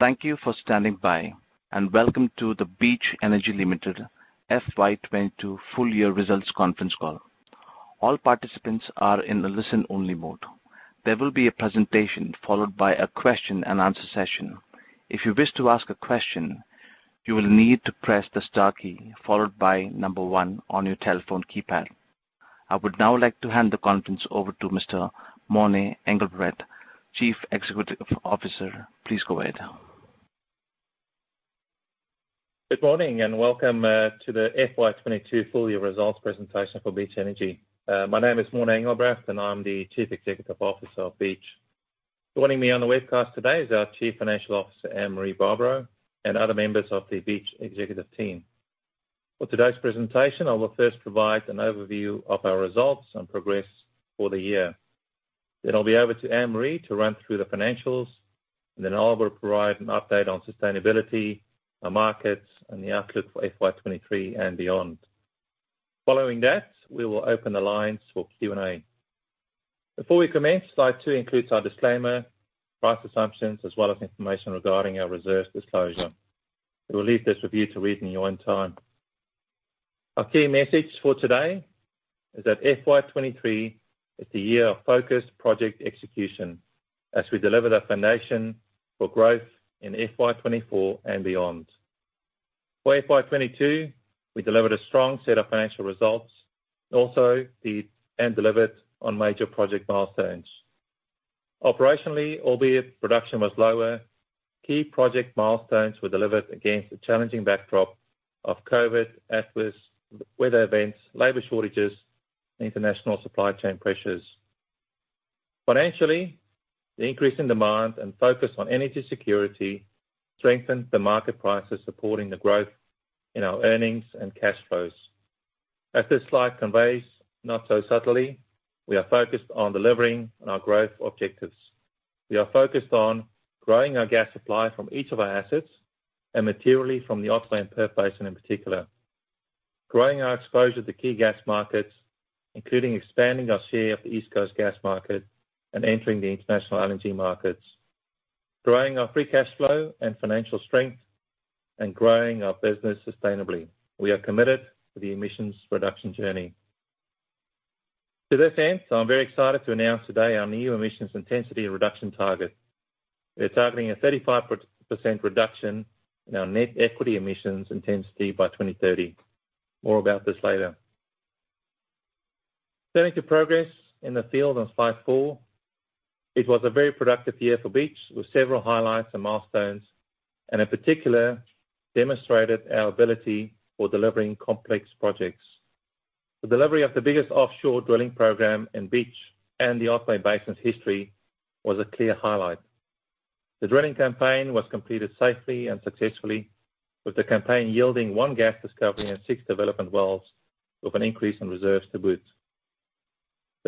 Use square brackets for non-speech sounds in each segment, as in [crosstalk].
Thank you for standing by and welcome to the Beach Energy Limited FY 2022 full year results conference call. All participants are in a listen-only mode. There will be a presentation followed by a question and answer session. If you wish to ask a question, you will need to press the star key followed by number one on your telephone keypad. I would now like to hand the conference over to Mr. Morné Engelbrecht, Chief Executive Officer. Please go ahead. Good morning and welcome to the FY 2022 full year results presentation for Beach Energy. My name is Morné Engelbrecht, and I'm the Chief Executive Officer of Beach. Joining me on the webcast today is our Chief Financial Officer, Anne-Marie Barbaro, and other members of the Beach executive team. For today's presentation, I will first provide an overview of our results and progress for the year. I'll be over to Anne-Marie to run through the financials, and then I will provide an update on sustainability, our markets, and the outlook for FY 2023 and beyond. Following that, we will open the lines for Q&A. Before we commence, slide two includes our disclaimer, price assumptions, as well as information regarding our reserves disclosure. We will leave this with you to read in your own time. Our key message for today is that FY 2023 is the year of focused project execution as we deliver the foundation for growth in FY 2024 and beyond. For FY 2022, we delivered a strong set of financial results and delivered on major project milestones. Operationally, albeit production was lower, key project milestones were delivered against a challenging backdrop of COVID, adverse weather events, labor shortages, and international supply chain pressures. Financially, the increase in demand and focus on energy security strengthened the market prices supporting the growth in our earnings and cash flows. As this slide conveys, not so subtly, we are focused on delivering on our growth objectives. We are focused on growing our gas supply from each of our assets and materially from the Otway and Perth Basin in particular. Growing our exposure to key gas markets, including expanding our share of the East Coast gas Market and entering the international LNG markets. Growing our free cash flow and financial strength, and growing our business sustainably. We are committed to the emissions reduction journey. To this end, I'm very excited to announce today our new emissions intensity reduction target. We are targeting a 35% reduction in our net equity emissions intensity by 2030. More about this later. Turning to progress in the field on slide four. It was a very productive year for Beach, with several highlights and milestones, and in particular, demonstrated our ability for delivering complex projects. The delivery of the biggest offshore drilling program in Beach and the Otway Basin's history was a clear highlight. The drilling campaign was completed safely and successfully, with the campaign yielding one gas discovery and six development wells with an increase in reserves to boot.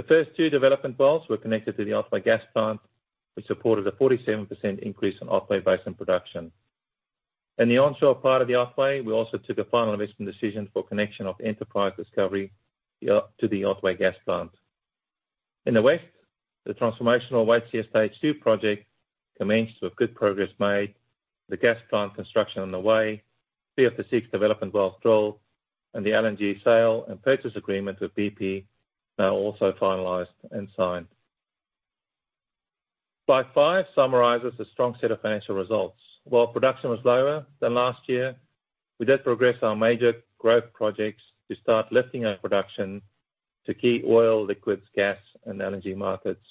The first two development wells were connected to the Otway Gas Plant, which supported a 47% increase in Otway Basin production. In the onshore part of the Otway, we also took a Final Investment Decision for connection of Enterprise discovery to the Otway Gas Plant. In the west, the transformational Waitsia Stage 2 project commenced with good progress made, the gas plant construction on the way, three of the six development wells drilled, and the LNG sale and purchase agreement with BP now also finalized and signed. Slide five summarizes the strong set of financial results. While production was lower than last year, we did progress our major growth projects to start lifting our production to key oil, liquids, gas, and LNG markets.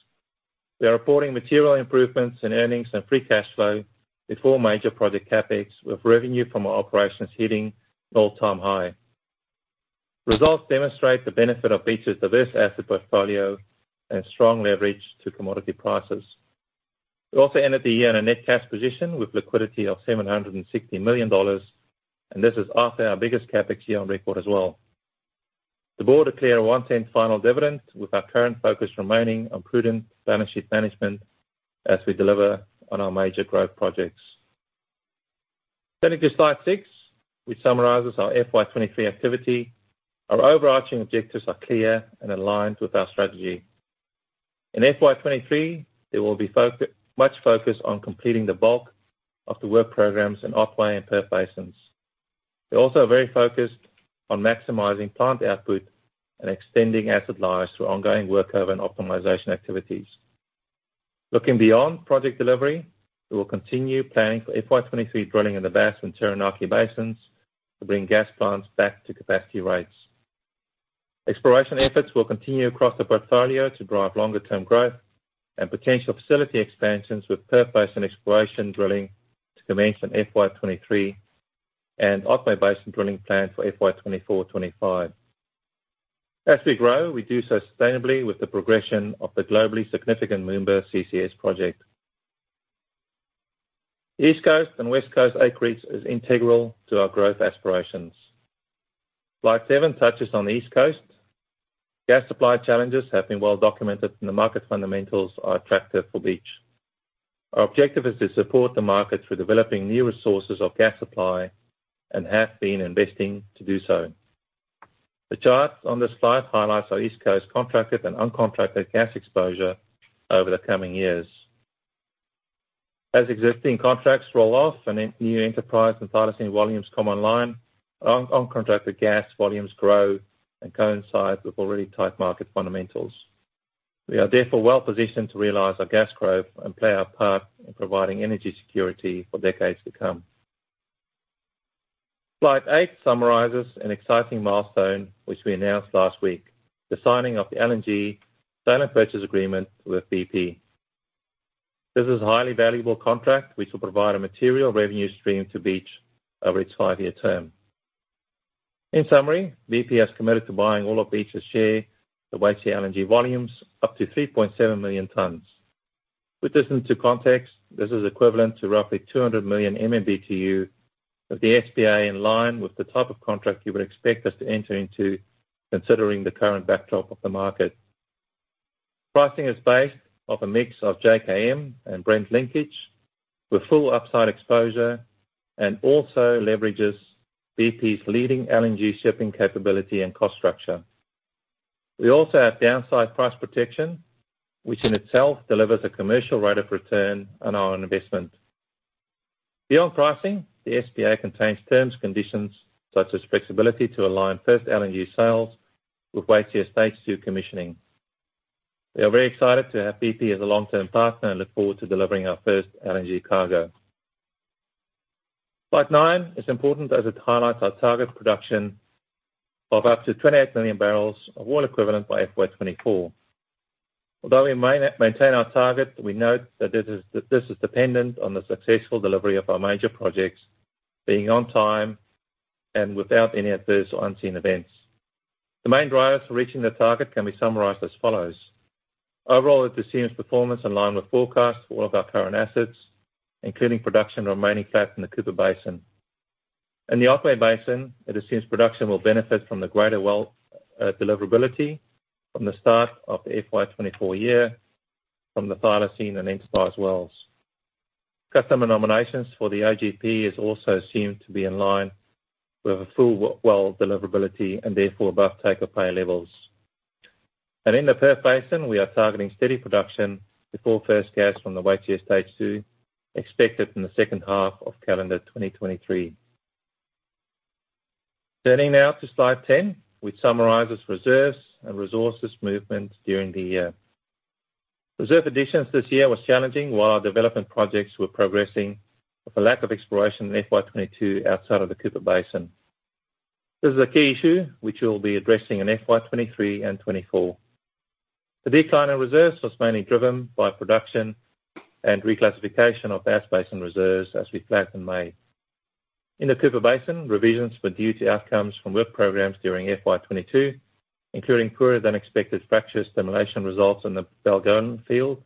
We are reporting material improvements in earnings and free cash flow before major project CapEx, with revenue from our operations hitting an all-time high. Results demonstrate the benefit of Beach's diverse asset portfolio and strong leverage to commodity prices. We also ended the year in a net cash position with liquidity of 760 million dollars, and this is after our biggest CapEx year on record as well. The board declared a 0.01 final dividend, with our current focus remaining on prudent balance sheet management as we deliver on our major growth projects. Turning to slide 6, which summarizes our FY 2023 activity. Our overarching objectives are clear and aligned with our strategy. In FY 2023, there will be much focus on completing the bulk of the work programs in Otway and Perth Basins. We're also very focused on maximizing plant output and extending asset lives through ongoing workover and optimization activities. Looking beyond project delivery, we will continue planning for FY 2023 drilling in the Bass and Taranaki Basins to bring gas plants back to capacity rates. Exploration efforts will continue across the portfolio to drive longer term growth and potential facility expansions with Perth Basin exploration drilling to commence in FY 2023 and Otway Basin drilling planned for FY 2024-2025. As we grow, we do so sustainably with the progression of the globally significant Moomba CCS project. East Coast and West Coast acreage is integral to our growth aspirations. Slide seven touches on the East Coast. Gas supply challenges have been well documented, and the market fundamentals are attractive for Beach. Our objective is to support the market through developing new resources of gas supply and have been investing to do so. The chart on this slide highlights our East Coast contracted and uncontracted gas exposure over the coming years. As existing contracts roll off and then new enterprise and Thylacine volumes come online, uncontracted gas volumes grow and coincide with already tight market fundamentals. We are therefore well-positioned to realize our gas growth and play our part in providing energy security for decades to come. Slide eight summarizes an exciting milestone which we announced last week, the signing of the LNG sale and purchase agreement with BP. This is a highly valuable contract which will provide a material revenue stream to Beach over its five-year term. In summary, BP has committed to buying all of Beach's share, the Waitsia LNG volumes, up to 3.7 million tons. To put this into context, this is equivalent to roughly 200 million MMBtu of the SPA in line with the type of contract you would expect us to enter into considering the current backdrop of the market. Pricing is based off a mix of JKM and Brent linkage with full upside exposure and also leverages BP's leading LNG shipping capability and cost structure. We also have downside price protection, which in itself delivers a commercial rate of return on our investment. Beyond pricing, the SPA contains terms, conditions such as flexibility to align first LNG sales with Waitsia Stage 2 commissioning. We are very excited to have BP as a long-term partner and look forward to delivering our first LNG cargo. Slide nine is important as it highlights our target production of up to 28 million barrels of oil equivalent by FY 2024. Although we maintain our target, we note that this is dependent on the successful delivery of our major projects being on time and without any adverse or unseen events. The main drivers for reaching the target can be summarized as follows. Overall, it assumes performance in line with forecasts for all of our current assets, including production remaining flat in the Cooper Basin. In the Otway Basin, it assumes production will benefit from the greater well deliverability from the start of the FY 2024 year from the Thylacine and Enterprise wells. Customer nominations for the OGP is also assumed to be in line with a full well deliverability and therefore above take or pay levels. In the Perth Basin, we are targeting steady production before first gas from the Waitsia Stage 2, expected in the second half of calendar 2023. Turning now to slide 10, which summarizes reserves and resources movement during the year. Reserve additions this year was challenging while our development projects were progressing with a lack of exploration in FY 2022 outside of the Cooper Basin. This is a key issue which we'll be addressing in FY 2023 and 2024. The decline in reserves was mainly driven by production and reclassification of the Athena reserves as we flatlined in May. In the Cooper Basin, revisions were due to outcomes from work programs during FY 2022, including poorer than expected fracture stimulation results in the Balgowan Field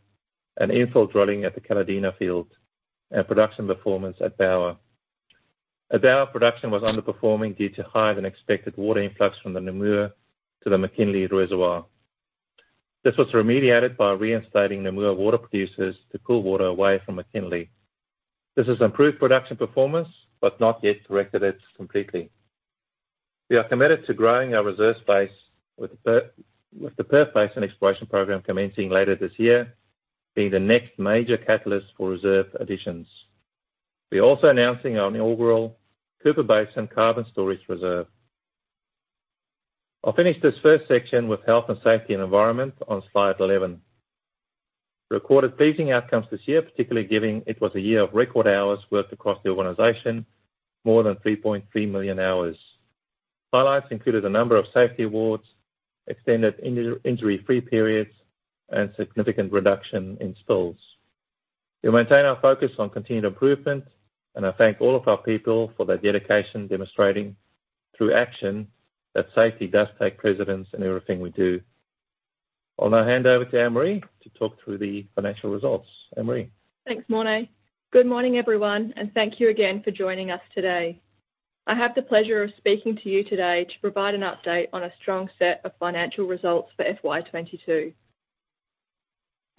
and infill drilling at the Kalladeina Field and production performance at Bauer. At Bauer, production was underperforming due to higher than expected water influx from the Namur to the McKinlay Reservoir. This was remediated by reinstating Namur water producers to pull water away from McKinlay. This has improved production performance, but not yet corrected it completely. We are committed to growing our reserve space with the Perth Basin exploration program commencing later this year, being the next major catalyst for reserve additions. We're also announcing our inaugural Cooper Basin carbon storage reserve. I'll finish this first section with health and safety and environment on slide 11. Recorded pleasing outcomes this year, particularly given it was a year of record hours worked across the organization, more than 3.3 million hours. Highlights included a number of safety awards, extended injury-free periods, and significant reduction in spills. We maintain our focus on continued improvement, and I thank all of our people for their dedication, demonstrating through action that safety does take precedence in everything we do. I'll now hand over to Anne-Marie to talk through the financial results. Anne-Marie? Thanks, Morné. Good morning, everyone, and thank you again for joining us today. I have the pleasure of speaking to you today to provide an update on a strong set of financial results for FY 2022.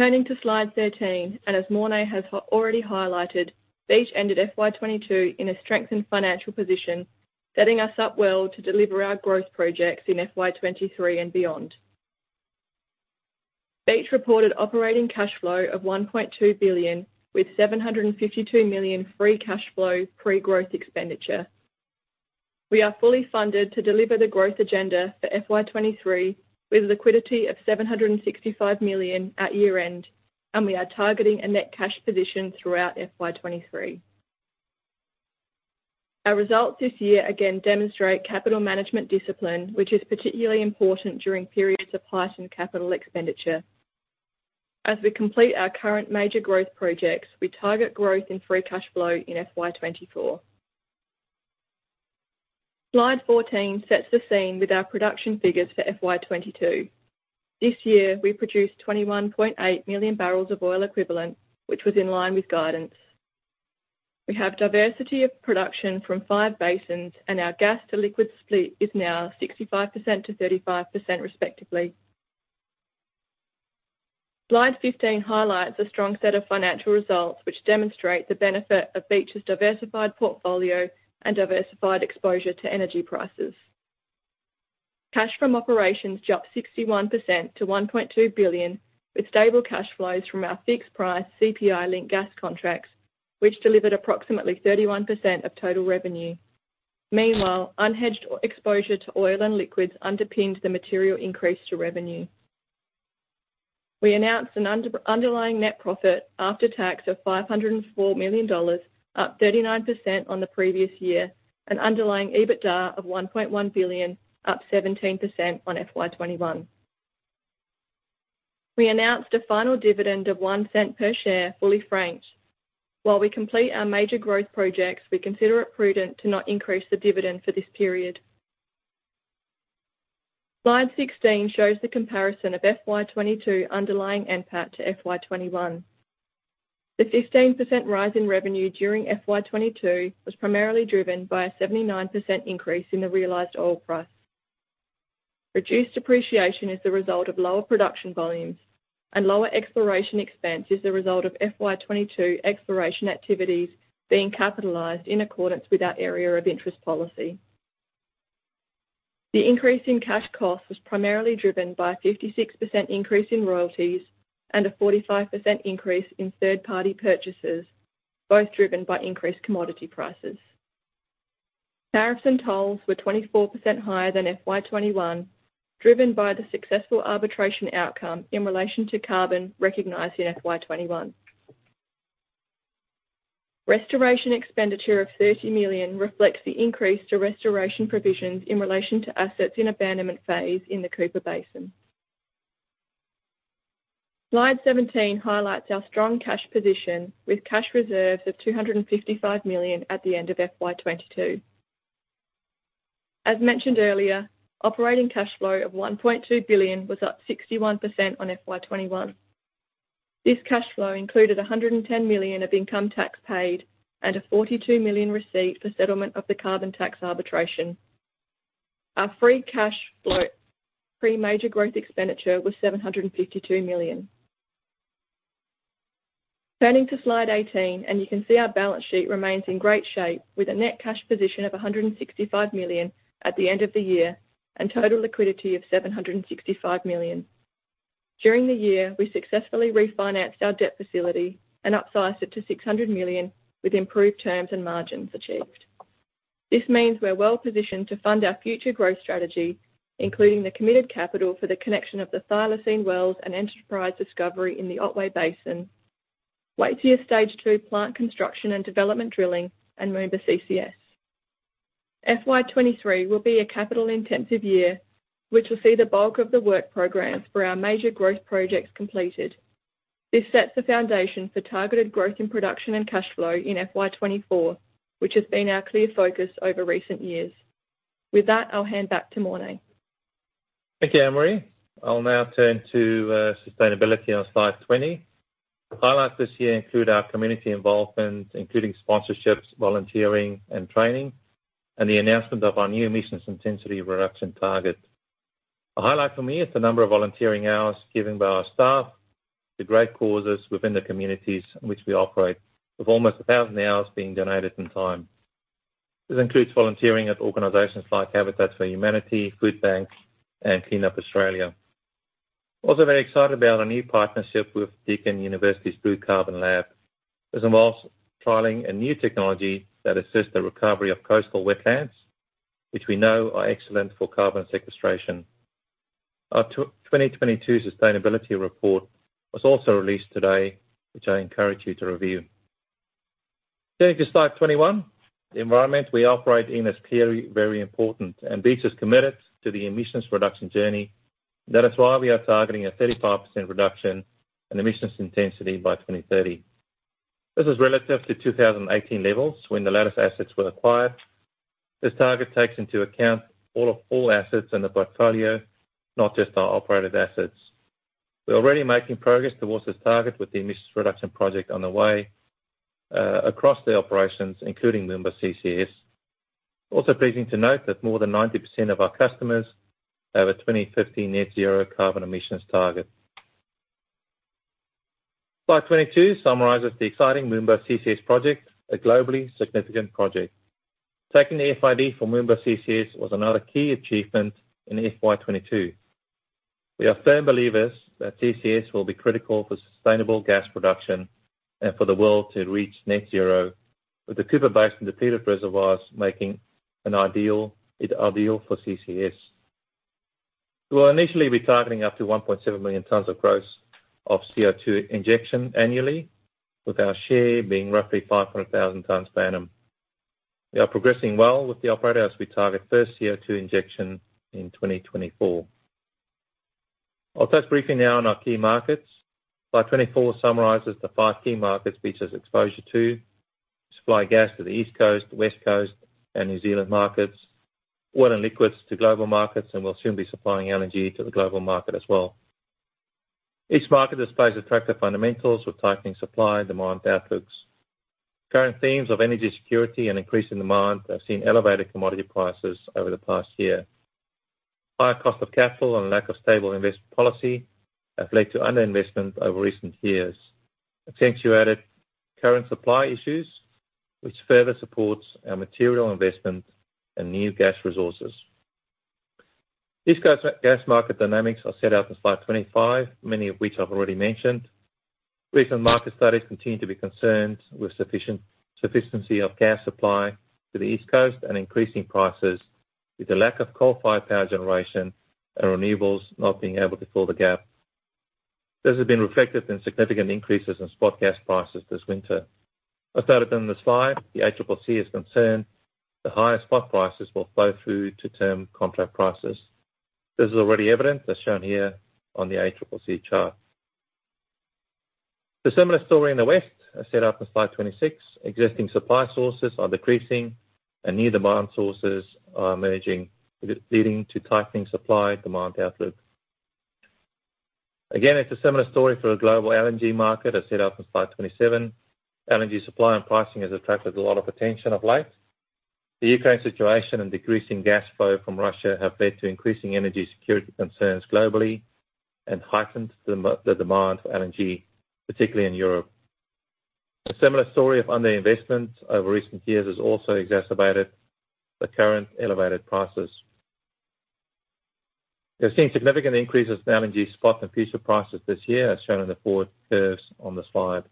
Turning to slide 13, as Morné has already highlighted, Beach ended FY 2022 in a strengthened financial position, setting us up well to deliver our growth projects in FY 2023 and beyond. Beach reported operating cash flow of 1.2 billion, with 752 million free cash flow pre-growth expenditure. We are fully funded to deliver the growth agenda for FY 2023, with liquidity of 765 million at year-end, and we are targeting a net cash position throughout FY 2023. Our results this year again demonstrate capital management discipline, which is particularly important during periods of heightened capital expenditure. As we complete our current major growth projects, we target growth in free cash flow in FY 2024. Slide 14 sets the scene with our production figures for FY 2022. This year, we produced 21.8 million barrels of oil equivalent, which was in line with guidance. We have diversity of production from five basins, and our gas to liquid split is now 65% to 35%, respectively. Slide 15 highlights a strong set of financial results which demonstrate the benefit of Beach's diversified portfolio and diversified exposure to energy prices. Cash from operations jumped 61% to 1.2 billion, with stable cash flows from our fixed price CPI linked gas contracts, which delivered approximately 31% of total revenue. Meanwhile, unhedged exposure to oil and liquids underpinned the material increase to revenue. We announced an underlying net profit after tax of AUD 504 million, up 39% on the previous year, an Underlying EBITDA of AUD 1.1 billion, up 17% on FY 2021. We announced a final dividend of 0.01 per share, fully franked. While we complete our major growth projects, we consider it prudent to not increase the dividend for this period. Slide 16 shows the comparison of FY 2022 Underlying NPAT to FY 2021. The 15% rise in revenue during FY 2022 was primarily driven by a 79% increase in the realized oil price. Reduced depreciation is the result of lower production volumes, and lower exploration expense is the result of FY 2022 exploration activities being capitalized in accordance with our area of interest policy. The increase in cash costs was primarily driven by a 56% increase in royalties and a 45% increase in third-party purchases, both driven by increased commodity prices. Tariffs and tolls were 24% higher than FY 2021, driven by the successful arbitration outcome in relation to carbon recognized in FY 2021. Restoration expenditure of 30 million reflects the increase to restoration provisions in relation to assets in abandonment phase in the Cooper Basin. Slide 17 highlights our strong cash position with cash reserves of 255 million at the end of FY 2022. As mentioned earlier, operating cash flow of 1.2 billion was up 61% on FY 2021. This cash flow included 110 million of income tax paid and a 42 million receipt for settlement of the carbon tax arbitration. Our free cash flow, pre-major growth expenditure was 752 million. Turning to slide 18, you can see our balance sheet remains in great shape with a net cash position of 165 million at the end of the year, and total liquidity of 765 million. During the year, we successfully refinanced our debt facility and upsized it to 600 million with improved terms and margins achieved. This means we're well-positioned to fund our future growth strategy, including the committed capital for the connection of the Thylacine wells and Enterprise discovery in the Otway Basin. Waitsia Stage 2 plant construction and development drilling and Moomba CCS. FY 2023 will be a capital intensive year, which will see the bulk of the work programs for our major growth projects completed. This sets the foundation for targeted growth in production and cash flow in FY 2024, which has been our clear focus over recent years. With that, I'll hand back to Morné Engelbrecht. Thank you, Anne-Marie. I'll now turn to sustainability on slide 20. Highlights this year include our community involvement, including sponsorships, volunteering and training, and the announcement of our new emissions intensity reduction target. A highlight for me is the number of volunteering hours given by our staff to great causes within the communities in which we operate, with almost 1,000 hours being donated in time. This includes volunteering at organizations like Habitat for Humanity, Food Banks and Clean Up Australia. Also very excited about our new partnership with Deakin University's Blue Carbon Lab. This involves trialing a new technology that assists the recovery of coastal wetlands, which we know are excellent for carbon sequestration. Our 2022 sustainability report was also released today, which I encourage you to review. Turning to slide 21, the environment we operate in is clearly very important, and Beach is committed to the emissions reduction journey. That is why we are targeting a 35% reduction in emissions intensity by 2030. This is relative to 2018 levels when the Lattice Energy assets were acquired. This target takes into account all assets in the portfolio, not just our operated assets. We are already making progress towards this target with the emissions reduction project on the way across the operations, including Moomba CCS. Also pleasing to note that more than 90% of our customers have a 2050 net zero carbon emissions target. Slide 22 summarizes the exciting Moomba CCS project, a globally significant project. Taking the FID for Moomba CCS was another key achievement in FY 2022. We are firm believers that CCS will be critical for sustainable gas production and for the world to reach net zero, with the Cooper Basin depleted reservoirs making it ideal for CCS. We will initially be targeting up to 1.7 million tons of gross CO2 injection annually, with our share being roughly 500,000 tons per annum. We are progressing well with the operators. We target first CO2 injection in 2024. I'll touch briefly now on our key markets. Slide 24 summarizes the five key markets Beach has exposure to. Supply gas to the East Coast, West Coast and New Zealand markets. Oil and liquids to global markets, and we'll soon be supplying LNG to the global market as well. Each market displays attractive fundamentals with tightening supply and demand outlooks. Current themes of energy security and increasing demand have seen elevated commodity prices over the past year. High cost of capital and lack of stable investment policy have led to underinvestment over recent years, accentuated current supply issues, which further supports our material investment in new gas resources. These gas market dynamics are set out in slide 25, many of which I've already mentioned. Recent market studies continue to be concerned with sufficiency of gas supply to the East Coast and increasing prices with a lack of coal-fired power generation and renewables not being able to fill the gap. This has been reflected in significant increases in spot gas prices this winter. As stated in the slide, the ACCC is concerned the higher spot prices will flow through to term contract prices. This is already evident, as shown here on the ACCC chart. The similar story in the West are set out in slide 26. Existing supply sources are decreasing and new demand sources are emerging, leading to tightening supply demand outlook. Again, it's a similar story for a global LNG market as set out in slide 27. LNG supply and pricing has attracted a lot of attention of late. The Ukraine situation and decreasing gas flow from Russia have led to increasing energy security concerns globally and heightened the demand for LNG, particularly in Europe. A similar story of underinvestment over recent years has also exacerbated the current elevated prices. We've seen significant increases in LNG spot and future prices this year, as shown in the forward curves on the slide.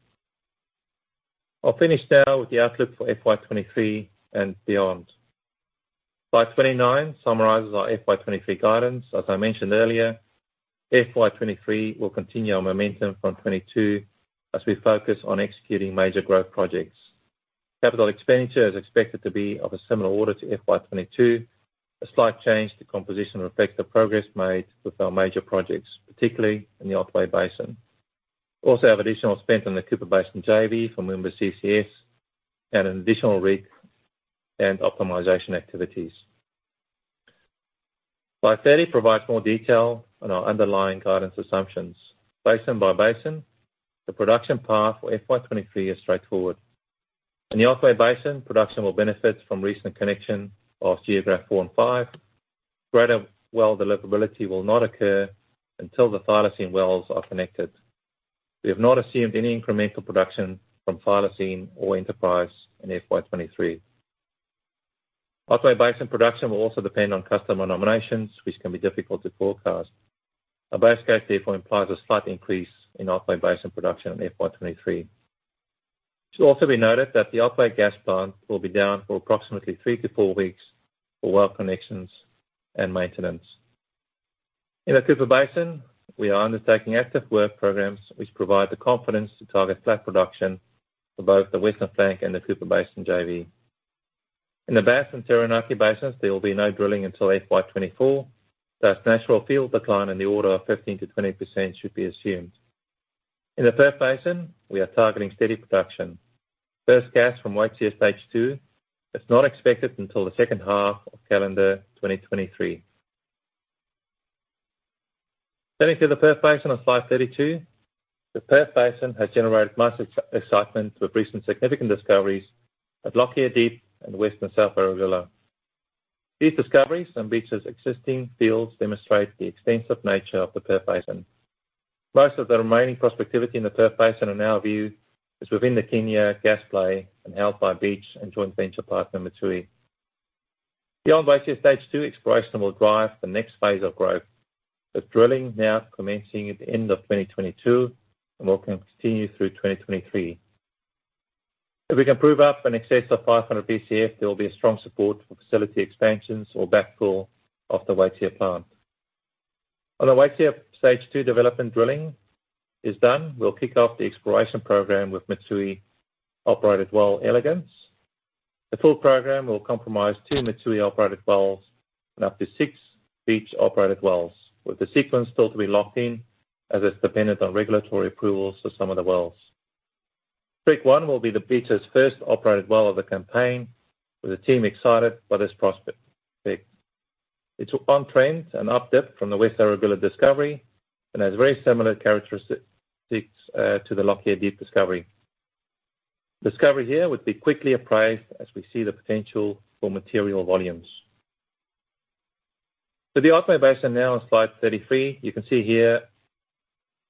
I'll finish now with the outlook for FY 2023 and beyond. Slide 29 summarizes our FY 2023 guidance. As I mentioned earlier, FY 2023 will continue our momentum from 2022 as we focus on executing major growth projects. Capital expenditure is expected to be of a similar order to FY 2022. A slight change to composition will affect the progress made with our major projects, particularly in the Otway Basin. We also have additional spend on the Cooper Basin JV for Moomba CCS and an additional rig and optimization activities. Slide 30 provides more detail on our underlying guidance assumptions. Basin by basin, the production path for FY 2023 is straightforward. In the Otway Basin, production will benefit from recent connection of Geographe 4 and 5. Greater well deliverability will not occur until the Thylacine wells are connected. We have not assumed any incremental production from Thylacine or Enterprise in FY 2023. Otway Basin production will also depend on customer nominations, which can be difficult to forecast. Our base case therefore implies a slight increase in Otway Basin production in FY 2023. It should also be noted Otway Gas Plant will be down for approximately three to four weeks for well connections and maintenance. In the Cooper Basin, we are undertaking active work programs which provide the confidence to target flat production for both the Western Flank and the Cooper Basin JV. In the Bass and Taranaki Basins, there will be no drilling until FY 2024, thus natural field decline in the order of 15%-20% should be assumed. In the Perth Basin, we are targeting steady production. First gas from Waitsia Stage 2 is not expected until the second half of calendar 2023. Turning to the Perth Basin on slide 32. The Perth Basin has generated much excitement with recent significant discoveries at Lockyer Deep and West and South Erregulla. These discoveries and Beach's existing fields demonstrate the extensive nature of the Perth Basin. Most of the remaining prospectivity in the Perth Basin in our view is within the Kingia Gas Play and held by Beach and joint venture partner, Mitsui. Beyond Waitsia Stage 2, exploration will drive the next phase of growth, with drilling now commencing at the end of 2022 and will continue through 2023. If we can prove up in excess of 500 BCF, there will be a strong support for facility expansions or backfill of the Waitsia plant. When the Waitsia Stage 2 development drilling is done, we'll kick off the exploration program with Mitsui-operated well Elegans. The full program will comprise two Mitsui-operated wells and up to six Beach-operated wells, with the sequence still to be locked in as it's dependent on regulatory approvals for some of the wells. Rig one will be the Beach's first operated well of the campaign, with the team excited by this prospect. It's on trend, an update from the West Erregulla discovery, and has very similar characteristics to the Lockyer Deep discovery. Discovery here would be quickly appraised as we see the potential for material volumes. To the Otway Basin now on slide 33. You can see here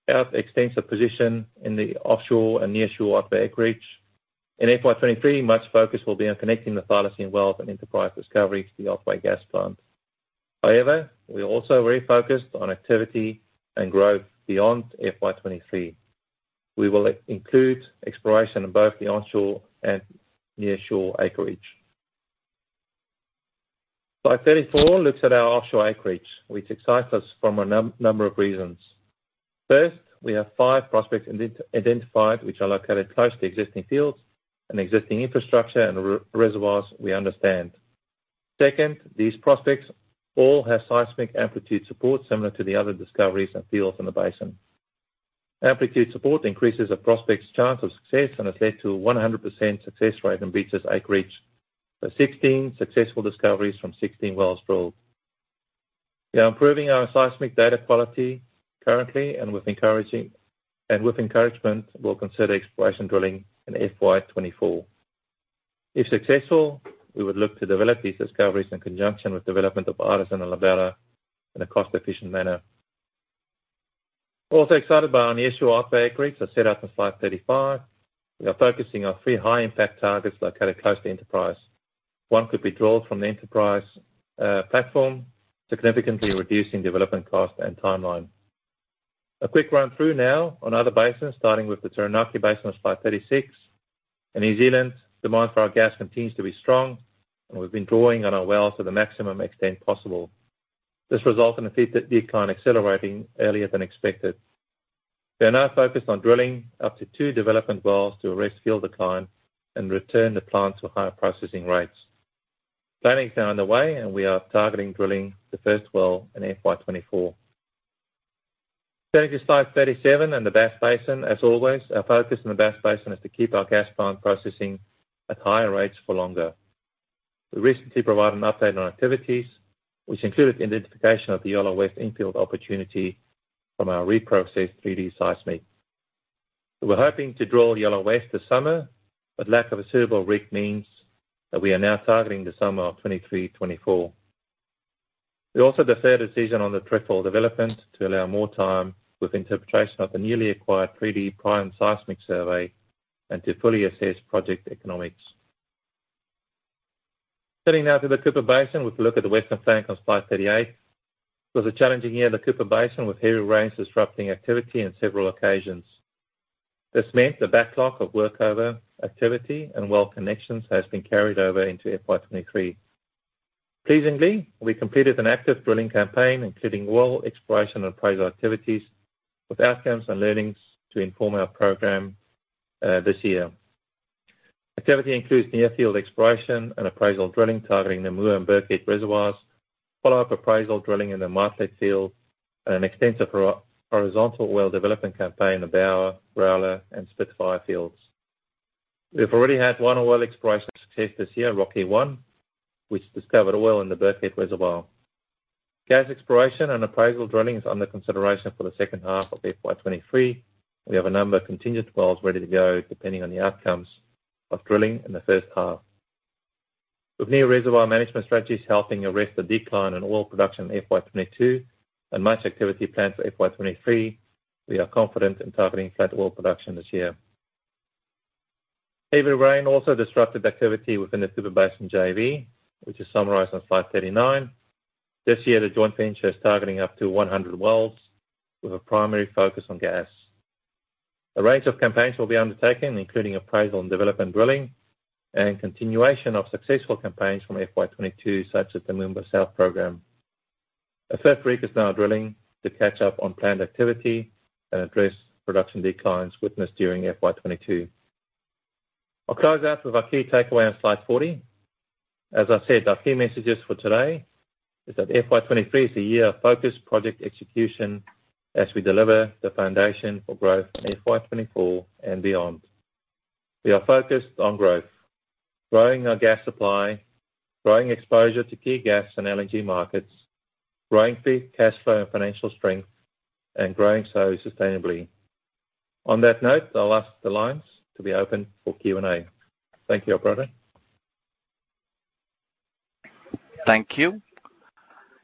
our extensive position in the offshore and nearshore Otway acreage. In FY 2023, much focus will be on connecting the Thylacine well and Enterprise discovery to the Otway Gas Plant. However, we are also very focused on activity and growth beyond FY 2023. We will include exploration in both the onshore and nearshore acreage. Slide 34 looks at our offshore acreage, which excites us from a number of reasons. First, we have five prospects identified which are located close to existing fields and existing infrastructure and reservoirs we understand. Second, these prospects all have seismic amplitude support similar to the other discoveries and fields in the basin. Amplitude support increases a prospect's chance of success and has led to 100% success rate in Beach's acreage. 16 successful discoveries from 16 wells drilled. We are improving our seismic data quality currently and with encouragement, we'll consider exploration drilling in FY 2024. If successful, we would look to develop these discoveries in conjunction with development of Iris and La Bella in a cost-efficient manner. We're also excited by our initial offtake agreements as set up in slide 35. We are focusing on three high-impact targets located close to Enterprise. One could be drilled from the Enterprise platform, significantly reducing development cost and timeline. A quick run through now on other basins, starting with the Taranaki Basin on slide 36. In New Zealand, demand for our gas continues to be strong, and we've been drawing on our wells to the maximum extent possible. This results in field declines accelerating earlier than expected. We are now focused on drilling up to two development wells to arrest field decline and return the plant to higher processing rates. Planning is underway, and we are targeting drilling the first well in FY 2024. Turning to slide 37 and the Bass Basin. As always, our focus in the Bass Basin is to keep our gas plant processing at higher rates for longer. We recently provided an update on activities, which included identification of the Yolla West infield opportunity from our reprocessed 3D seismic. We were hoping to drill Yolla Bolly this summer, but lack of a suitable rig means that we are now targeting the summer of 2023-2024. We also deferred a decision on the Trefoil development to allow more time with interpretation of the newly acquired 3D prime seismic survey and to fully assess project economics. Heading now to the Cooper Basin, with a look at the Western Flank on slide 38. It was a challenging year in the Cooper Basin, with heavy rains disrupting activity on several occasions. This meant the backlog of workover activity and well connections has been carried over into FY 2023. Pleasingly, we completed an active drilling campaign, including well exploration and appraisal activities, with outcomes and learnings to inform our program this year. Activity includes near-field exploration and appraisal drilling targeting the Moomba and Birkhead reservoirs, follow-up appraisal drilling in the Martlet field, and an extensive horizontal well development campaign of Bauer, Growler, and Spitfire fields. We've already had 1 oil exploration success this year, Rocky One, which discovered oil in the Birkhead reservoir. Gas exploration and appraisal drilling is under consideration for the second half of FY 2023. We have a number of contingent wells ready to go, depending on the outcomes of drilling in the first half. With new reservoir management strategies helping arrest the decline in oil production in FY 2022 and much activity planned for FY 2023, we are confident in targeting flat oil production this year. Heavy rain also disrupted activity within the Cooper Basin JV, which is summarized on slide 39. This year, the joint venture is targeting up to 100 wells with a primary focus on gas. A range of campaigns will be undertaken, including appraisal and development drilling and continuation of successful campaigns from FY 2022, such as the Moomba South program. A third rig is now drilling to catch up on planned activity and address production declines witnessed during FY 2022. I'll close out with our key takeaway on slide 40. As I said, our key messages for today is that FY 2023 is a year of focused project execution as we deliver the foundation for growth in FY 2024 and beyond. We are focused on growth, growing our gas supply, growing exposure to key gas and LNG markets, growing free cash flow and financial strength, and growing so sustainably. On that note, I'll ask the lines to be opened for Q&A. Thank you, operator. Thank you.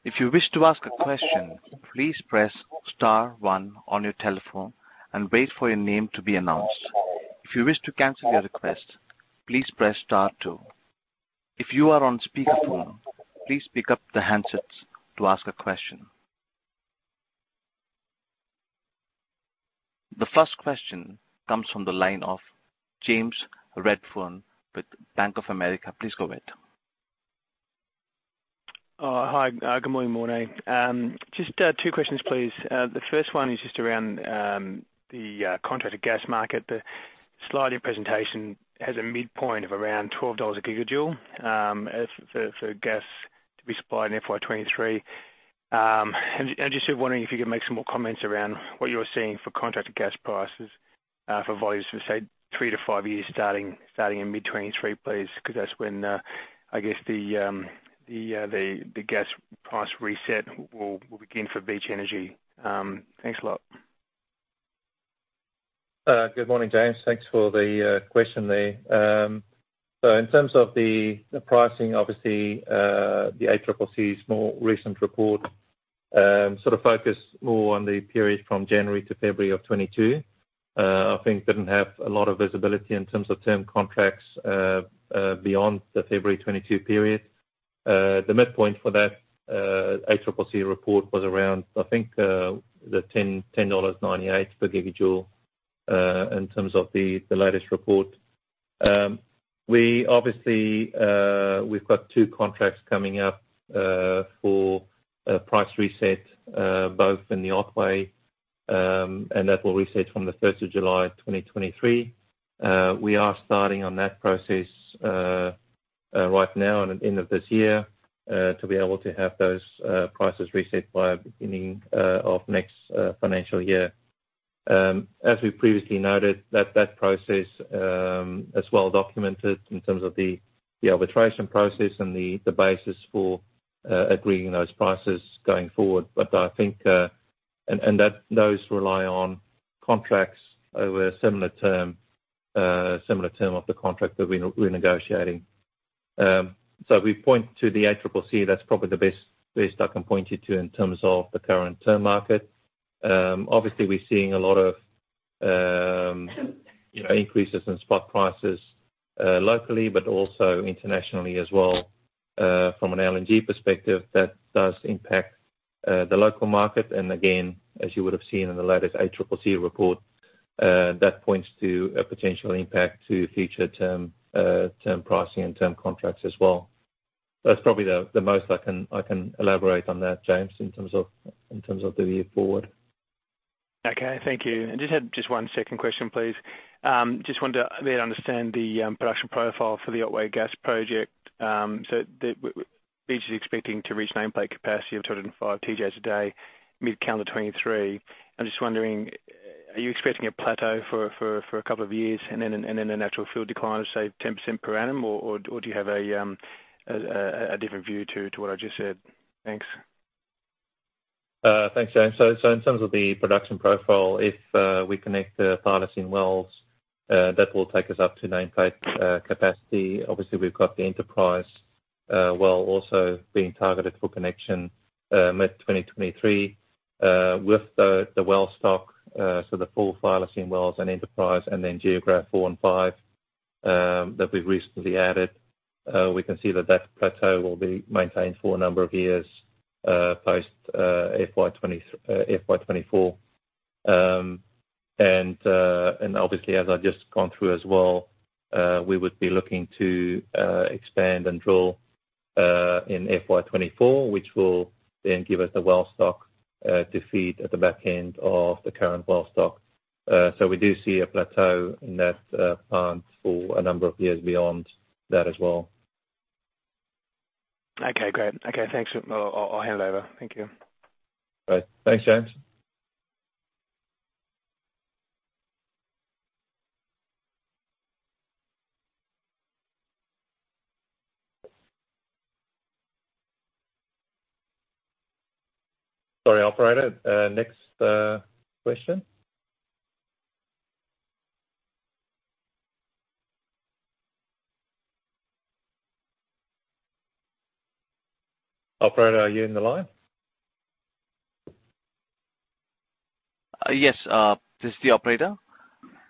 If you wish to ask a question, please press star one on your telephone and wait for your name to be announced. If you wish to cancel your request, please press star two. If you are on speakerphone, please pick up the handsets to ask a question. The first question comes from the line of James Redfern with Bank of America. Please go ahead. Hi. Good morning, Morné. Just two questions, please. The first one is just around the contracted gas market. The slide in your presentation has a midpoint of around 12 dollars a gigajoule as the gas to be supplied in FY 2023. Just wondering if you could make some more comments around what you're seeing for contracted gas prices for volumes for, say, three to five years starting in mid-2023, please, because that's when I guess the gas price reset will begin for Beach Energy. Thanks a lot. Good morning, James. Thanks for the question there. In terms of the pricing, obviously, the ACCC's more recent report sort of focused more on the period from January to February of 2022. I think didn't have a lot of visibility in terms of term contracts beyond the February 2022 period. The midpoint for that ACCC report was around, I think, the 10.98 dollars per gigajoule in terms of the latest report. We obviously we've got two contracts coming up for a price reset both in the Otway and that will reset from the first of July 2023. We are starting on that process right now and at end of this year to be able to have those prices reset by beginning of next financial year. As we previously noted, that process is well documented in terms of the arbitration process and the basis for agreeing those prices going forward. I think that those rely on contracts over a similar term of the contract that we're negotiating. We point to the ACCC, that's probably the best I can point you to in terms of the current term market. Obviously, we're seeing a lot of you know increases in spot prices locally, but also internationally as well from an LNG perspective that does impact the local market. Again, as you would have seen in the latest ACCC report, that points to a potential impact to future term pricing and term contracts as well. That's probably the most I can elaborate on that, James, in terms of the way forward. Okay, thank you. I just have one second question, please. Just wanted to be able to understand the production profile for the Otway Gas Project. So the Beach is expecting to reach nameplate capacity of 205 TJ/day, mid-calendar 2023. I'm just wondering, are you expecting a plateau for a couple of years and then a natural field decline of, say, 10% per annum or do you have a different view to what I just said? Thanks. Thanks, James. In terms of the production profile, if we connect the Thylacine wells, that will take us up to nameplate capacity. Obviously, we've got the Enterprise well also being targeted for connection mid-2023, with the well stock, so the full Thylacine wells and Enterprise and then Geographe 4 and 5 that we've recently added. We can see that plateau will be maintained for a number of years post FY 2024. Obviously, as I've just gone through as well, we would be looking to expand and drill in FY 2024, which will then give us the well stock to feed at the back end of the current well stock. We do see a plateau in that plant for a number of years beyond that as well. Okay, great. Okay, thanks. I'll hand over. Thank you. All right. Thanks, James. Sorry, operator. Next, question. Operator, are you in the line? Yes, this is the operator.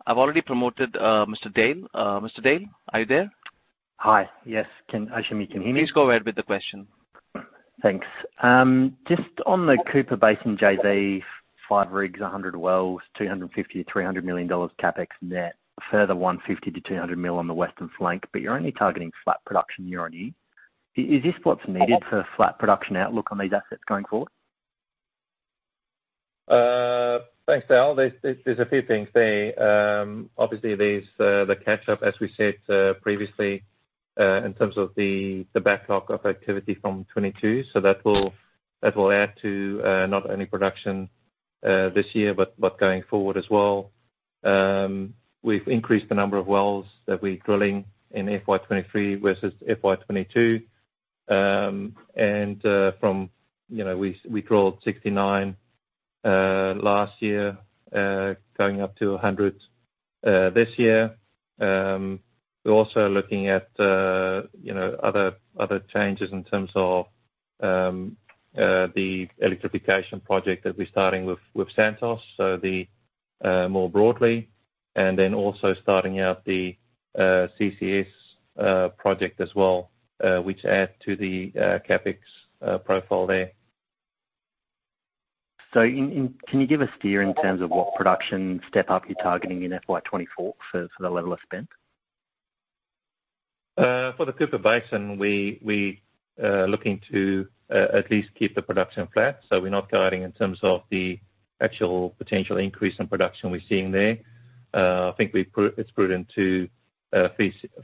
I've already promoted Mr. Dale. Mr. Dale, are you there? Hi. Yes. Ashimi, can you hear me? Please go ahead with the question. Thanks. Just on the Cooper Basin JV, 5 rigs, 100 wells, 250 million-300 million dollars CapEx net, a further 150 million-200 million on the Western Flank, but you're only targeting flat production year-on-year. Is this what's needed for a flat production outlook on these assets going forward? Thanks, Dale. There's a few things there. Obviously, there's the catch up, as we said previously, in terms of the backlog of activity from 2022. That will add to not only production this year, but going forward as well. We've increased the number of wells that we're drilling in FY 2023 versus FY 2022. From you know, we drilled 69 last year, going up to 100 this year. We're also looking at you know, other changes in terms of the electrification project that we're starting with Santos. More broadly. Then also starting out the CCS project as well, which add to the CapEx profile there. Can you give a steer in terms of what production step up you're targeting in FY 2024 for the level of spend? For the Cooper Basin, we're looking to at least keep the production flat. We're not guiding in terms of the actual potential increase in production we're seeing there. I think it's prudent to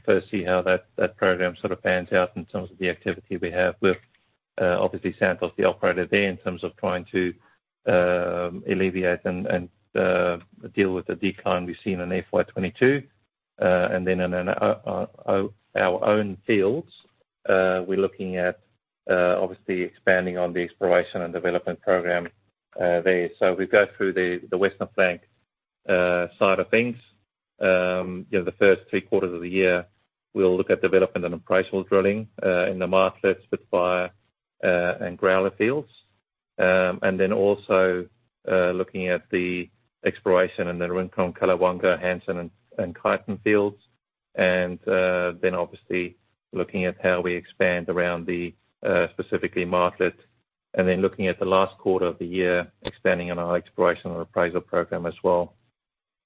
first see how that program sort of pans out in terms of the activity we have with obviously Santos, the operator there, in terms of trying to alleviate and deal with the decline we've seen in FY 2022. In our own fields, we're looking at obviously expanding on the exploration and development program there. We go through the Western Flank oil exploration side of things. You know, the first three quarters of the year, we'll look at development and appraisal drilling in the Martlet, Spitfire, and Growler fields. Looking at the exploration in the Rincon, Callawonga, Hansen, and Kyton fields. Obviously looking at how we expand around the specifically Martlet, and then looking at the last quarter of the year, expanding on our exploration and appraisal program as well.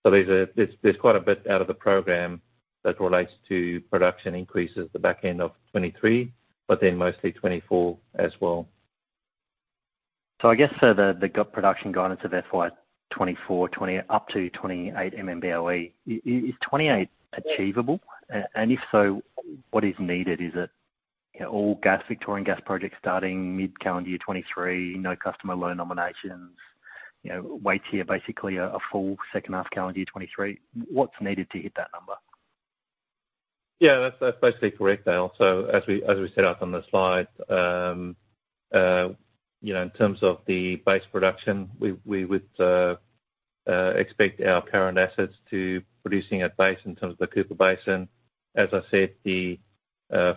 There's quite a bit out of the program that relates to production increases at the back end of 2023, but then mostly 2024 as well. I guess for the gas production guidance of FY 2024 up to 28 MMBOE, is 28 achievable? And if so, what is needed? Is it? Yeah, all gas, Victorian gas projects starting mid-calendar year 2023. No customer nominations, you know, Waitsia, basically a full second half calendar year 2023. What's needed to hit that number? Yeah, that's basically correct, Dale. As we set out on the slide, you know, in terms of the base production, we would expect our current assets to producing at base in terms of the Cooper Basin. As I said,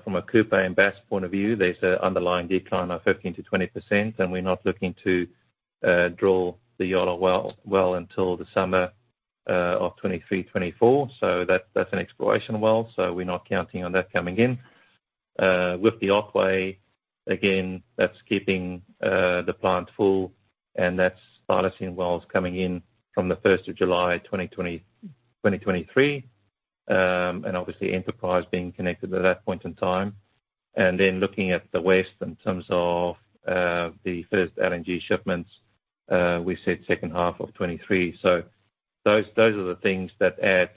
from a Cooper and Bass point of view, there's a underlying decline of 15%-20%, and we're not looking to draw the Yolla well until the summer of 2023, 2024. That's an exploration well, so we're not counting on that coming in. With the Otway, again, that's keeping the plant full, and that's wells coming in from the first of July 2023. And obviously Enterprise being connected at that point in time. Then looking at the west in terms of the first LNG shipments, we said second half of 2023. Those are the things that add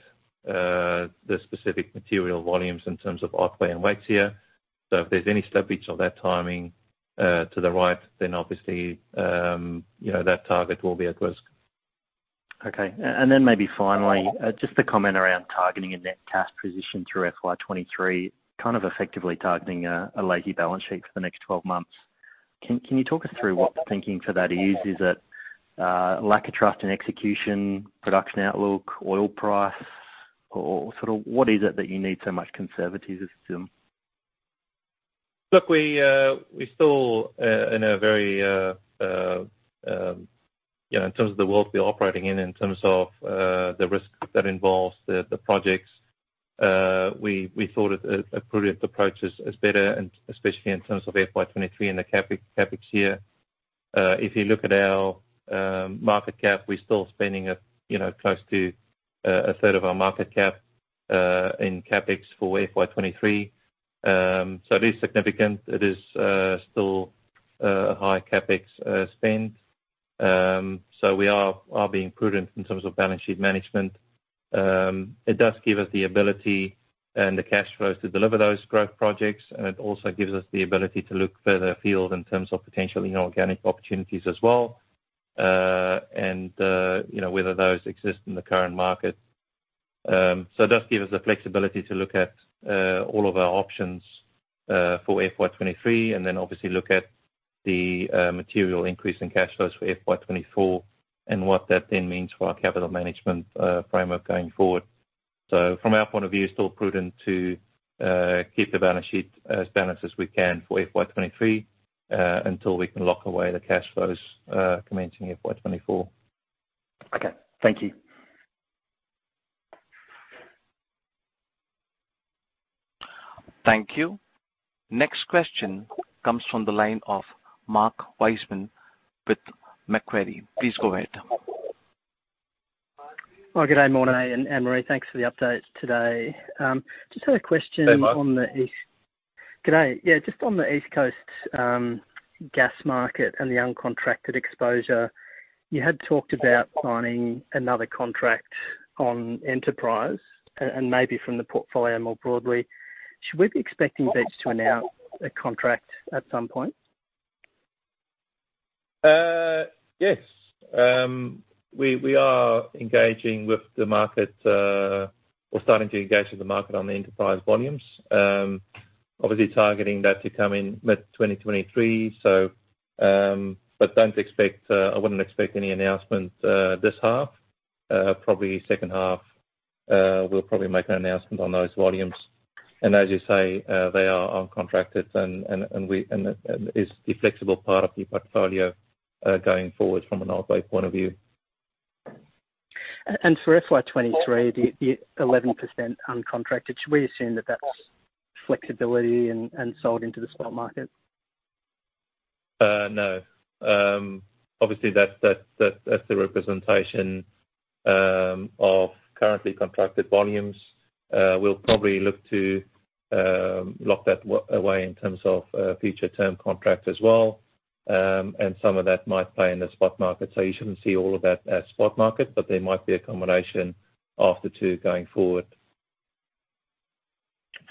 the specific material volumes in terms of Otway and Waitsia. If there's any slippage of that timing to the right then obviously, you know, that target will be at risk. Okay. Maybe finally, just a comment around targeting a net cash position through FY 2023, kind of effectively targeting a lazy balance sheet for the next 12 months. Can you talk us through what the thinking for that is? Is it, lack of trust in execution, production outlook, oil price, or sort of what is it that you need so much conservatism? Look, we still in a very you know, in terms of the world we're operating in terms of the risk that involves the projects, we thought a prudent approach is better and especially in terms of FY 2023 and the CapEx year. If you look at our market cap, we're still spending you know, close to a third of our market cap in CapEx for FY 2023. It is significant. It is still a high CapEx spend. We are being prudent in terms of balance sheet management. It does give us the ability and the cash flows to deliver those growth projects, and it also gives us the ability to look further afield in terms of potential inorganic opportunities as well, and, you know, whether those exist in the current market. It does give us the flexibility to look at all of our options for FY 2023 and then obviously look at the material increase in cash flows for FY 2024 and what that then means for our capital management framework going forward. From our point of view, still prudent to keep the balance sheet as balanced as we can for FY 2023 until we can lock away the cash flows commencing FY 2024. Okay. Thank you. Thank you. Next question comes from the line of Mark Wiseman with Macquarie. Please go ahead. Well, good day, Morné and Anne-Marie. Thanks for the update today. Just had a question. Hey, Mark. Good day. Yeah, just on the East Coast gas Market and the uncontracted exposure, you had talked about signing another contract on Enterprise and maybe from the portfolio more broadly. Should we be expecting Beach to announce a contract at some point? Yes. We are engaging with the market or starting to engage with the market on the Enterprise volumes. Obviously targeting that to come in mid-2023. I wouldn't expect any announcement this half. Probably second half, we'll probably make an announcement on those volumes. As you say, they are uncontracted and it's the flexible part of the portfolio, going forward from an Otway point of view. For FY 2023, the 11% uncontracted, should we assume that that's flexibility and sold into the spot market? No. Obviously that's the representation of currently contracted volumes. We'll probably look to lock that away in terms of a future term contract as well. Some of that might play in the spot market. You shouldn't see all of that as spot market, but there might be a combination of the two going forward.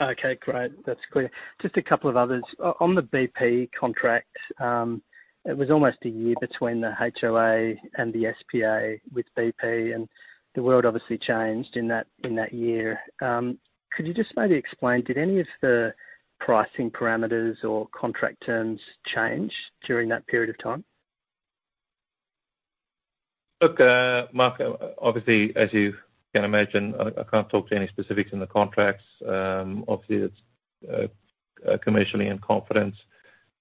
Okay, great. That's clear. Just a couple of others. On the BP contract, it was almost a year between the HOA and the SPA with BP, and the world obviously changed in that year. Could you just maybe explain, did any of the pricing parameters or contract terms change during that period of time? Look, Mark, obviously, as you can imagine, I can't talk to any specifics in the contracts. Obviously it's commercially in confidence.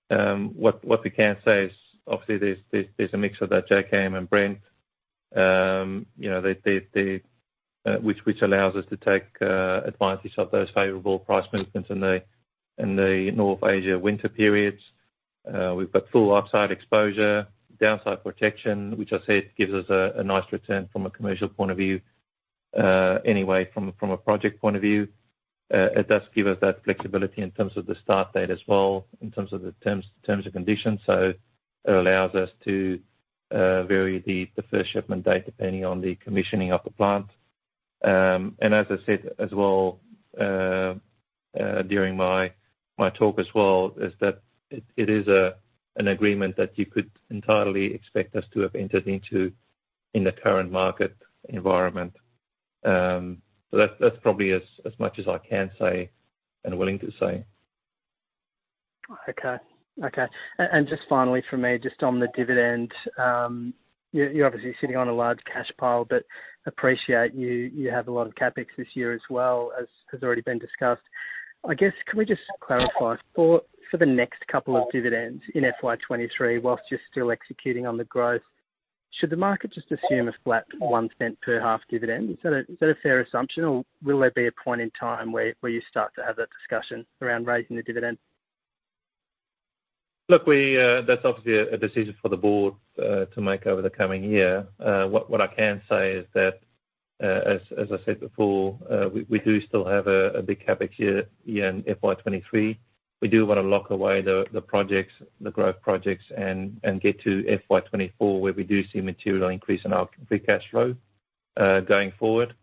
What we can say is obviously there's a mix of that JKM and Brent, you know, which allows us to take advantage of those favorable price movements in the North Asia winter periods. We've got full upside exposure, downside protection, which I said gives us a nice return from a commercial point of view. Anyway, from a project point of view, it does give us that flexibility in terms of the start date as well, in terms of the terms and conditions. It allows us to vary the first shipment date depending on the commissioning of the plant. As I said as well, during my talk as well, it is an agreement that you could entirely expect us to have entered into in the current market environment. That's probably as much as I can say and willing to say. Just finally from me, just on the dividend. You're obviously sitting on a large cash pile, but I appreciate you have a lot of CapEx this year as well, as has already been discussed. I guess, can we just clarify, for the next couple of dividends in FY 2023, while you're still executing on the growth, should the market just assume a flat 0.01 per half dividend? Is that a fair assumption, or will there be a point in time where you start to have that discussion around raising the dividend? Look, that's obviously a decision for the board to make over the coming year. What I can say is that, as I said before, we do still have a big CapEx year in FY 2023. We do wanna lock away the projects, the growth projects and get to FY 2024, where we do see a material increase in our free cash flow going forward.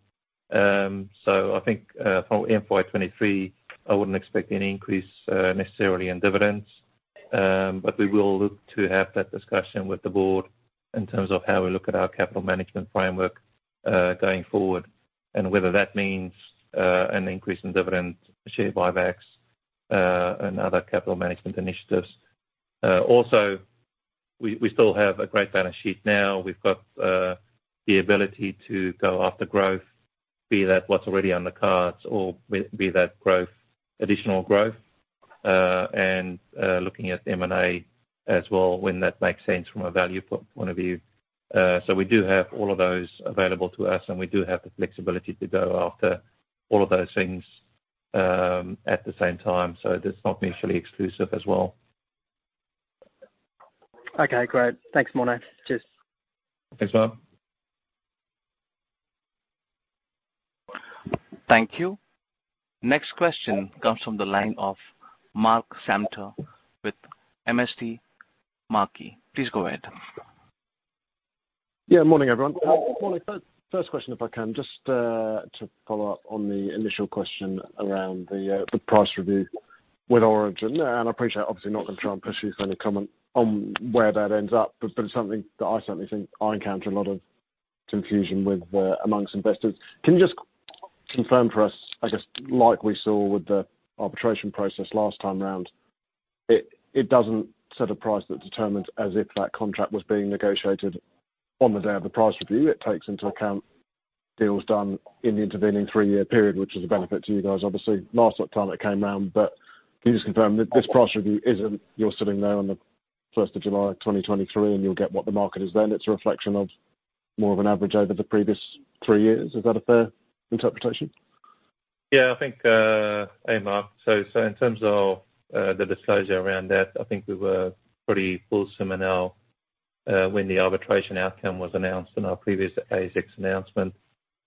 I think from FY 2023, I wouldn't expect any increase necessarily in dividends. We will look to have that discussion with the board in terms of how we look at our capital management framework going forward, and whether that means an increase in dividend, share buybacks and other capital management initiatives. Also we still have a great balance sheet now. We've got the ability to go after growth, be that what's already on the cards or be that growth, additional growth. Looking at M&A as well when that makes sense from a value point of view. We do have all of those available to us, and we do have the flexibility to go after all of those things, at the same time. That's not mutually exclusive as well. Okay, great. Thanks, Morné. Cheers. Thanks, Mark. Thank you. Next question comes from the line of Mark Samter with MST Marquee. Please go ahead. Yeah, morning everyone. Morning. First question, if I can, just to follow up on the initial question around the price review with Origin, and I appreciate obviously I'm not gonna try and push you for any comment on where that ends up, but it's something that I certainly think I encounter a lot of confusion with where among investors. Can you just confirm for us, I guess, like we saw with the arbitration process last time around, it doesn't set a price that's determined as if that contract was being negotiated on the day of the price review. It takes into account deals done in the intervening three-year period, which is a benefit to you guys, obviously, last time it came round. Can you just confirm that this price review isn't, you're sitting there on the first of July 2023, and you'll get what the market is then? It's a reflection of more of an average over the previous three years. Is that a fair interpretation? Yeah, I think. Hey, Mark. I think in terms of the disclosure around that, we were pretty fulsome in our when the arbitration outcome was announced in our previous ASX announcement.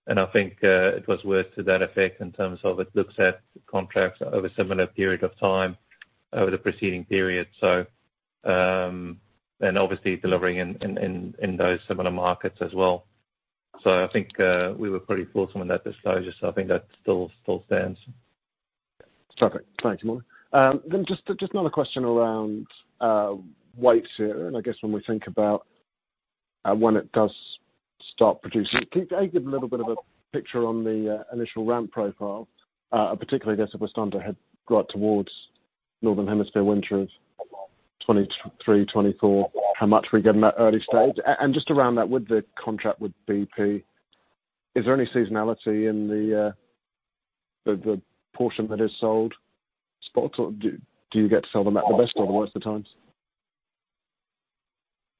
I think it was worth to that effect in terms of it looks at contracts over a similar period of time over the preceding period. Obviously delivering in those similar markets as well. I think we were pretty fulsome in that disclosure. I think that still stands. Perfect. Thank you, Morné. Just another question around Waitsia, and I guess when we think about when it does start producing. Can you give a little bit of a picture on the initial ramp profile, particularly I guess if we're starting to head right towards Northern Hemisphere winter of 2023, 2024, how much we get in that early stage. Just around that, with the contract with BP, is there any seasonality in the portion that is sold spot or do you get to sell them at the best or the worst of times?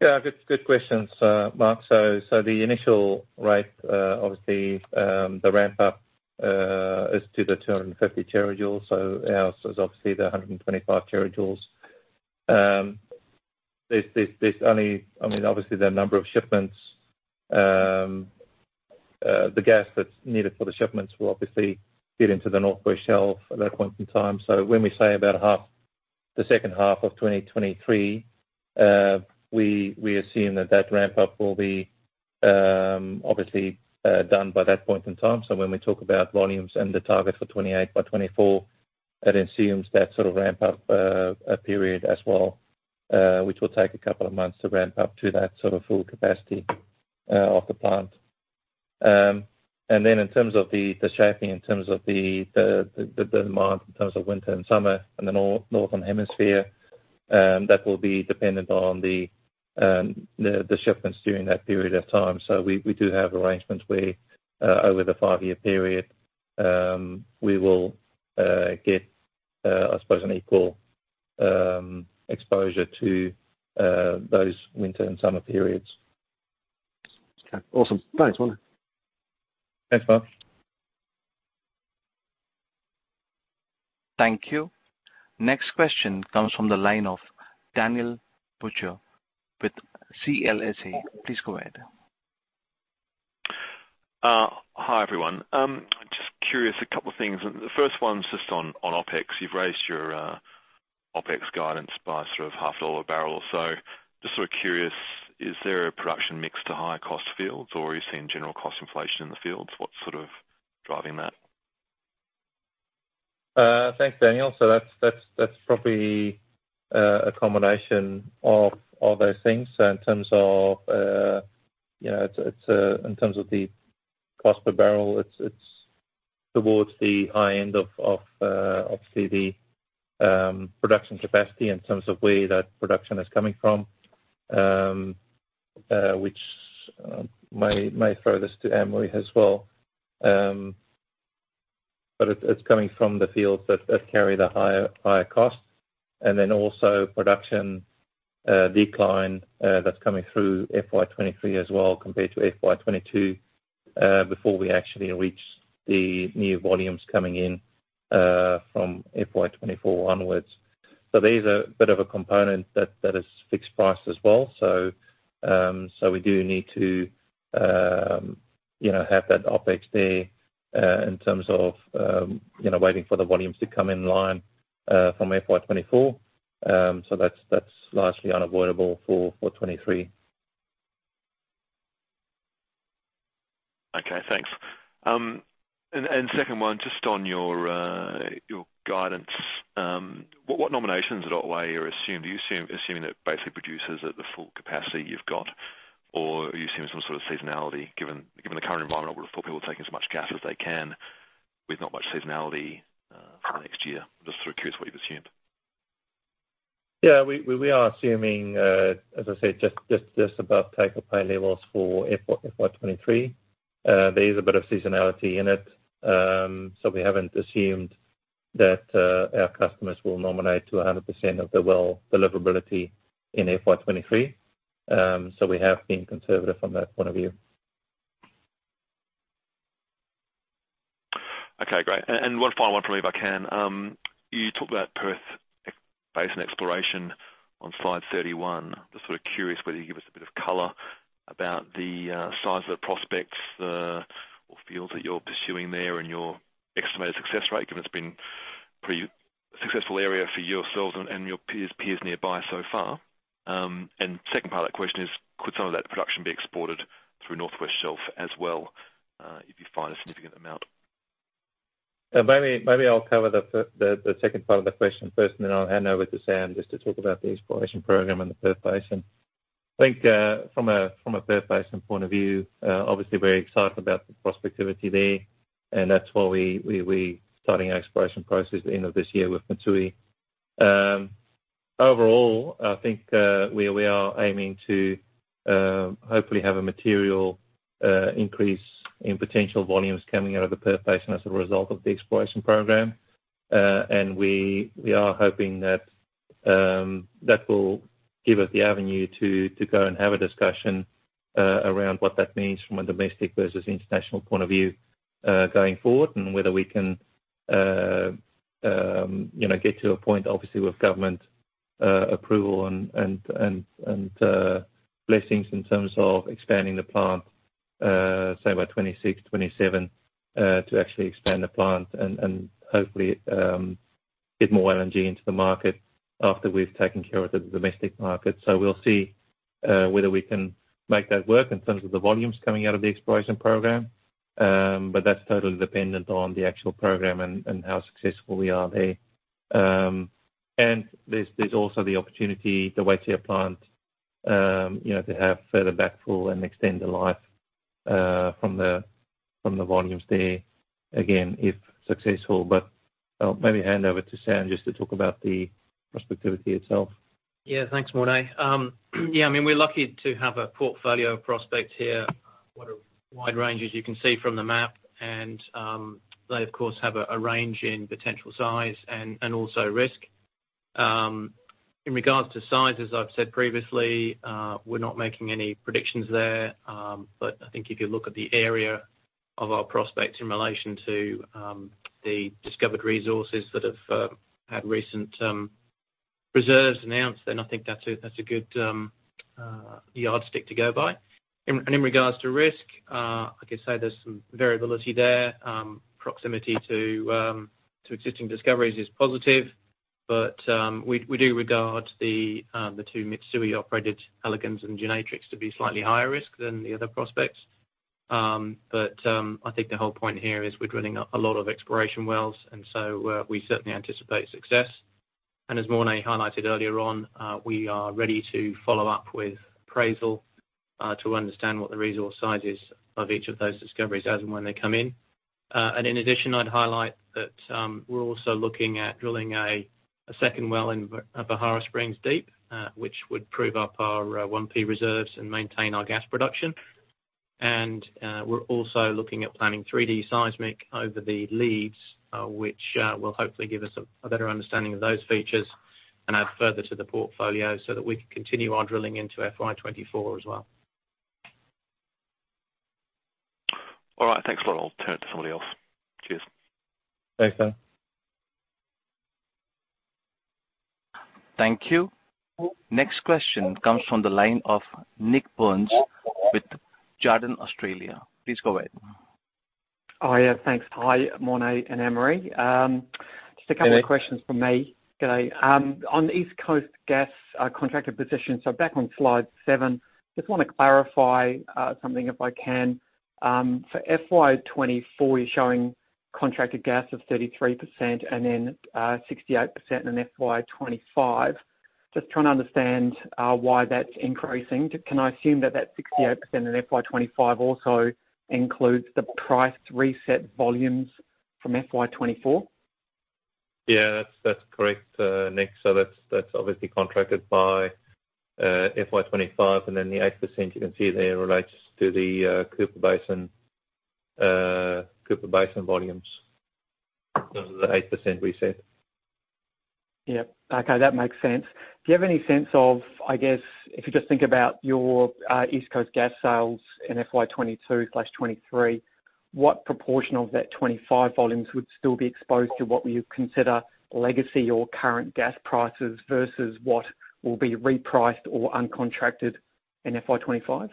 Yeah, good questions, Mark. The initial rate, obviously, the ramp up, is to the 250 terajoules. Ours is obviously the 125 terajoules. There's only I mean, obviously, the number of shipments, the gas that's needed for the shipments will obviously fit into the North West Shelf at that point in time. When we say about half, the second half of 2023, we assume that that ramp up will be, obviously, done by that point in time. When we talk about volumes and the target for 2028 by 2024, that assumes that sort of ramp up period as well, which will take a couple of months to ramp up to that sort of full capacity of the plant. In terms of the shaping in terms of the demand in terms of winter and summer in the Northern Hemisphere, that will be dependent on the shipments during that period of time. We do have arrangements where, over the five-year period, we will get, I suppose, an equal exposure to those winter and summer periods. Okay, awesome. Thanks, Morné. Thanks, Mark. Thank you. Next question comes from the line of Daniel Butcher with CLSA. Please go ahead. Hi, everyone. Curious, a couple things. The first one's just on OpEx. You've raised your OpEx guidance by sort of half a dollar a barrel. Just sort of curious, is there a production mix to higher cost fields, or are you seeing general cost inflation in the fields? What's sort of driving that? Thanks, Daniel. That's probably a combination of all those things in terms of you know it's in terms of the cost per barrel, it's towards the high end of obviously the production capacity in terms of where that production is coming from, which may throw this to Emily as well. But it's coming from the fields that carry the higher cost. Also production decline that's coming through FY 2023 as well compared to FY 2022 before we actually reach the new volumes coming in from FY 2024 onwards. There is a bit of a component that is fixed price as well. We do need to, you know, have that OpEx there, in terms of, you know, waiting for the volumes to come in line from FY 2024. That's largely unavoidable for 2023. Okay, thanks. Second one just on your guidance. What nominations at Otway are assumed? Are you assuming that it basically produces at the full capacity you've got, or are you seeing some sort of seasonality given the current environment where people are taking as much gas as they can with not much seasonality for next year? I'm just sort of curious what you've assumed. Yeah, we are assuming, as I said, just above take-or-pay levels for FY 2023. There is a bit of seasonality in it. We haven't assumed that our customers will nominate to 100% of the well deliverability in FY 2023. We have been conservative from that point of view. Okay, great. One final one for me, if I can. You talked about Perth Basin exploration on slide 31. Just sort of curious whether you can give us a bit of color about the size of the prospects or fields that you're pursuing there and your estimated success rate, given it's been pretty successful area for yourselves and your peers nearby so far. Second part of that question is could some of that production be exported through North West Shelf as well, if you find a significant amount? Maybe I'll cover the second part of the question first, and then I'll hand over to Sam just to talk about the exploration program in the Perth Basin. I think from a Perth Basin point of view, obviously we're excited about the prospectivity there, and that's why we're starting our exploration process at the end of this year with Mitsui. Overall, I think we are aiming to hopefully have a material increase in potential volumes coming out of the Perth Basin as a result of the exploration program. We are hoping that that will give us the avenue to go and have a discussion around what that means from a domestic versus international point of view, going forward, and whether we can, you know, get to a point, obviously with government approval and blessings in terms of expanding the plant, say by 2026, 2027, to actually expand the plant and hopefully get more LNG into the market after we've taken care of the domestic market. We'll see whether we can make that work in terms of the volumes coming out of the exploration program. That's totally dependent on the actual program and how successful we are there. There's also the opportunity, the Waitsia plant, you know, to have further backfill and extend the life, from the volumes there, again, if successful. I'll maybe hand over to Sam just to talk about the prospectivity itself. Yeah. Thanks, Morné. I mean, we're lucky to have a portfolio of prospects here. What a wide range as you can see from the map. They of course have a range in potential size and also risk. In regards to size, as I've said previously, we're not making any predictions there. I think if you look at the area of our prospects in relation to the discovered resources that have had recent reserves announced, then I think that's a good yardstick to go by. In regards to risk, like I say, there's some variability there. Proximity to existing discoveries is positive. We do regard the two Mitsui operated Elegans and Genetrix to be slightly higher risk than the other prospects. I think the whole point here is we're drilling up a lot of exploration wells. We certainly anticipate success. As Morné highlighted earlier on, we are ready to follow up with appraisal to understand what the resource size is of each of those discoveries as and when they come in. In addition, I'd highlight that, we're also looking at drilling a second well in Beharra Springs Deep, which would prove up our 1P reserves and maintain our gas production. We're also looking at planning 3D seismic over the leads, which will hopefully give us a better understanding of those features and add further to the portfolio so that we can continue our drilling into FY 2024 as well. All right. Thanks a lot. I'll turn it to somebody else. Cheers. Thanks, Dan. Thank you. Next question comes from the line of Nik Burns with Jarden Australia. Please go ahead. Oh, yeah, thanks. Hi, Morné and Anne-Marie. Just a couple of questions from me. Good day. Good day. On the East Coast gas contracted position, back on slide seven, just wanna clarify something if I can. For FY 2024, you're showing contracted gas of 33% and then 68% in FY 2025. Just trying to understand why that's increasing. Can I assume that that 68% in FY 2025 also includes the priced reset volumes from FY 2024? Yeah, that's correct, Nik. That's obviously contracted by FY 2025, and then the 8% you can see there relates to the Cooper Basin volumes. Those are the 8% reset. Yep. Okay, that makes sense. Do you have any sense of, I guess, if you just think about your East Coast gas sales in FY 2022 plus 2023, what proportion of that 25 volumes would still be exposed to what you consider legacy or current gas prices versus what will be repriced or uncontracted in FY 2025?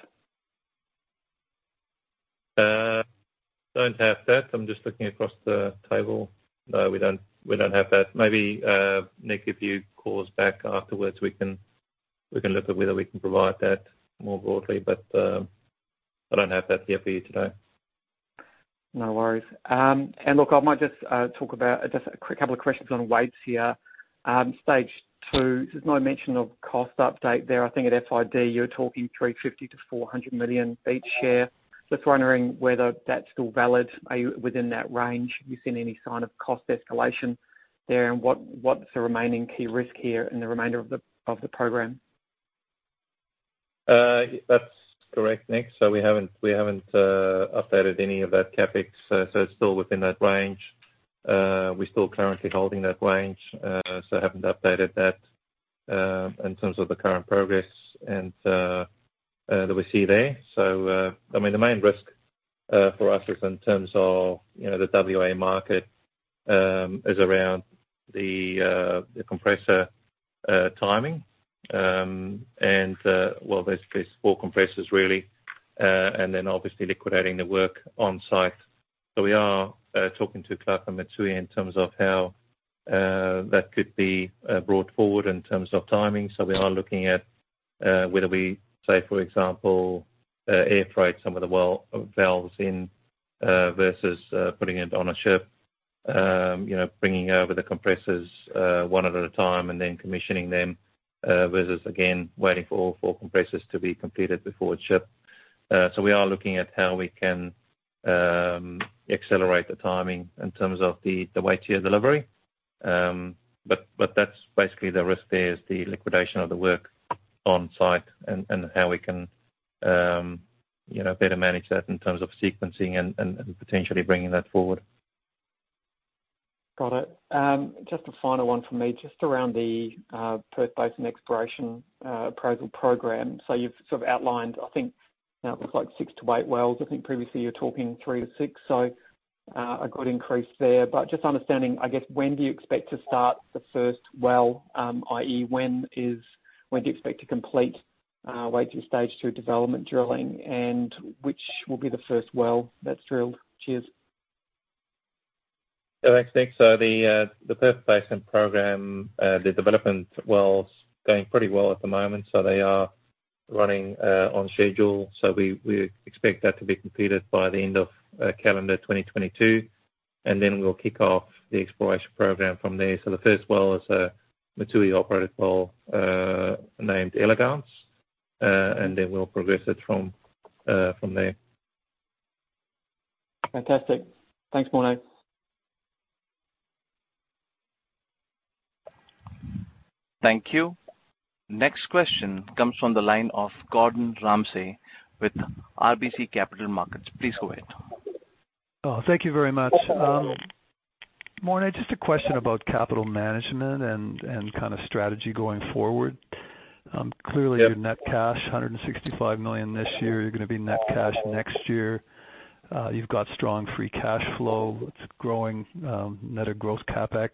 Don't have that. I'm just looking across the table. No, we don't have that. Maybe, Nick, if you call us back afterwards, we can look at whether we can provide that more broadly. I don't have that here for you today. No worries. Look, I might just talk about a quick couple of questions on Waitsia here. Waitsia Stage 2, there's no mention of cost update there. I think at FID you're talking 350 million-400 million each share. Just wondering whether that's still valid? Are you within that range? Have you seen any sign of cost escalation there? What's the remaining key risk here in the remainder of the program? That's correct, Nick. We haven't updated any of that CapEx, so it's still within that range. We're still currently holding that range, so haven't updated that, in terms of the current progress and that we see there. I mean, the main risk for us is in terms of, you know, the WA market, is around the compressor timing. Well, there's four compressors really, and then obviously liquidating the work on site. We are talking to Clough and Mitsui in terms of how that could be brought forward in terms of timing. We are looking at whether we, say, for example, air freight some of the valves in, versus putting it on a ship. You know, bringing over the compressors one at a time and then commissioning them versus again waiting for four compressors to be completed before it's shipped. We are looking at how we can accelerate the timing in terms of the Waitsia delivery. That's basically the risk there is the logistics of the work on site and how we can better manage that in terms of sequencing and potentially bringing that forward. Got it. Just a final one for me, just around the Perth Basin exploration, appraisal program. You've sort of outlined, I think now it looks like 6-8 wells. I think previously you were talking 3-6, a good increase there. Just understanding, I guess, when do you expect to start the first well, i.e., when do you expect to complete Waitsia Stage 2 development drilling, and which will be the first well that's drilled? Cheers. Thanks, Nick. The Perth Basin program, the development well's going pretty well at the moment. They are running on schedule. We expect that to be completed by the end of calendar 2022, and then we'll kick off the exploration program from there. The first well is a Mitsui operated well, named Elegans, and then we'll progress it from there. Fantastic. Thanks, Morné. Thank you. Next question comes from the line of Gordon Ramsay with RBC Capital Markets. Please go ahead. Oh, thank you very much. Morné Engelbrecht, just a question about capital management and kind of strategy going forward. Clearly- Yeah. Your net cash, 165 million this year, you're gonna be net cash next year. You've got strong free cash flow. It's growing net of growth CapEx.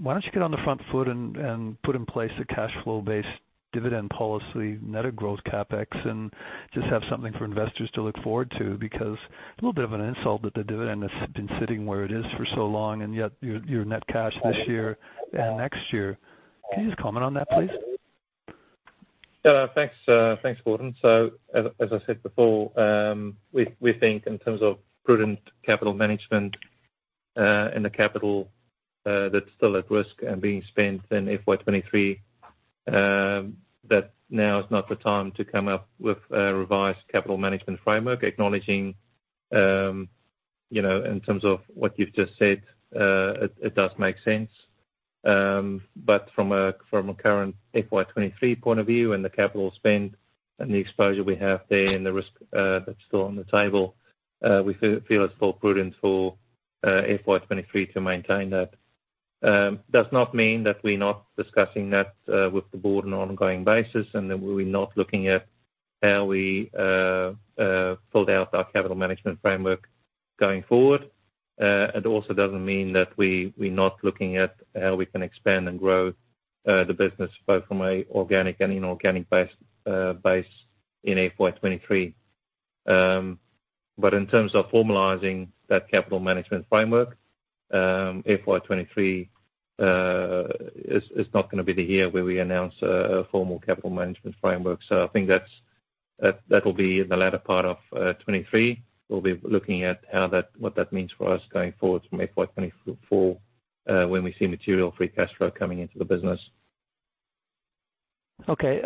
Why don't you get on the front foot and put in place a cash flow based dividend policy net of growth CapEx and just have something for investors to look forward to? Because it's a little bit of an insult that the dividend has been sitting where it is for so long, and yet your net cash this year and next year. Can you just comment on that, please? Yeah. Thanks, Gordon. As I said before, we think in terms of prudent capital management, and the capital that's still at risk and being spent in FY 2023, that now is not the time to come up with a revised capital management framework. Acknowledging, you know, in terms of what you've just said, it does make sense. From a current FY 2023 point of view and the capital spend and the exposure we have there and the risk that's still on the table, we feel it's still prudent for FY 2023 to maintain that. Does not mean that we're not discussing that with the board on an ongoing basis and that we're not looking at how we build out our capital management framework going forward. It also doesn't mean that we're not looking at how we can expand and grow the business both from an organic and inorganic base in FY 2023. But in terms of formalizing that capital management framework, FY 2023 is not gonna be the year where we announce a formal capital management framework. I think that will be in the latter part of 2023. We'll be looking at how that what that means for us going forward from FY 2024 when we see material free cash flow coming into the business. Okay.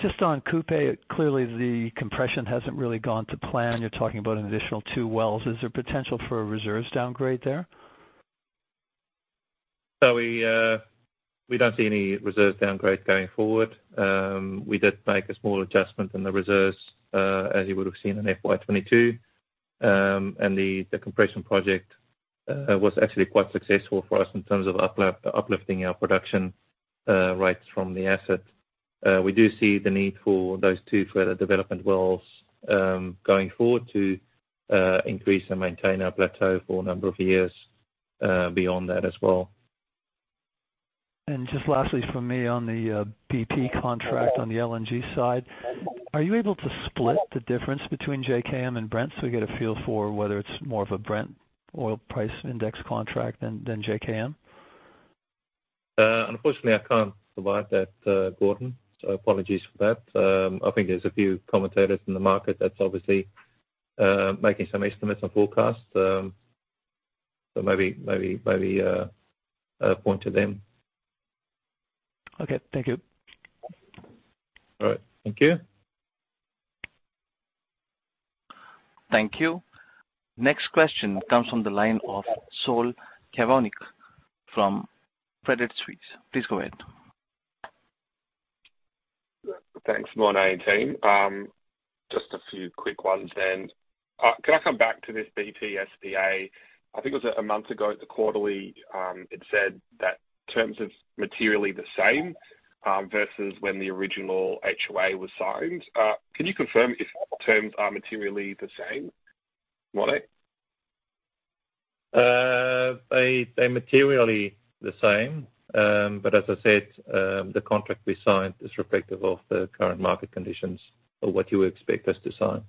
Just on Cooper, clearly the compression hasn't really gone to plan. You're talking about an additional two wells. Is there potential for a reserves downgrade there? We don't see any reserve downgrades going forward. We did make a small adjustment in the reserves, as you would have seen in FY 2022. The compression project was actually quite successful for us in terms of uplifting our production rates from the asset. We do see the need for those two further development wells, going forward to increase and maintain our plateau for a number of years, beyond that as well. Just lastly from me on the BP contract on the LNG side, are you able to split the difference between JKM and Brent, so we get a feel for whether it's more of a Brent oil price index contract than JKM? Unfortunately, I can't provide that, Gordon. Apologies for that. I think there's a few commentators in the market that's obviously making some estimates and forecasts. Maybe point to them. Okay. Thank you. All right. Thank you. Thank you. Next question comes from the line of Saul Kavonic from Credit Suisse. Please go ahead. Thanks, Morné Engelbrecht and team. Just a few quick ones. Can I come back to this BP SPA? I think it was a month ago at the quarterly, it said that terms are materially the same versus when the original HOA was signed. Can you confirm if terms are materially the same, Morné Engelbrecht? They're materially the same. As I said, the contract we signed is reflective of the current market conditions of what you would expect us to sign.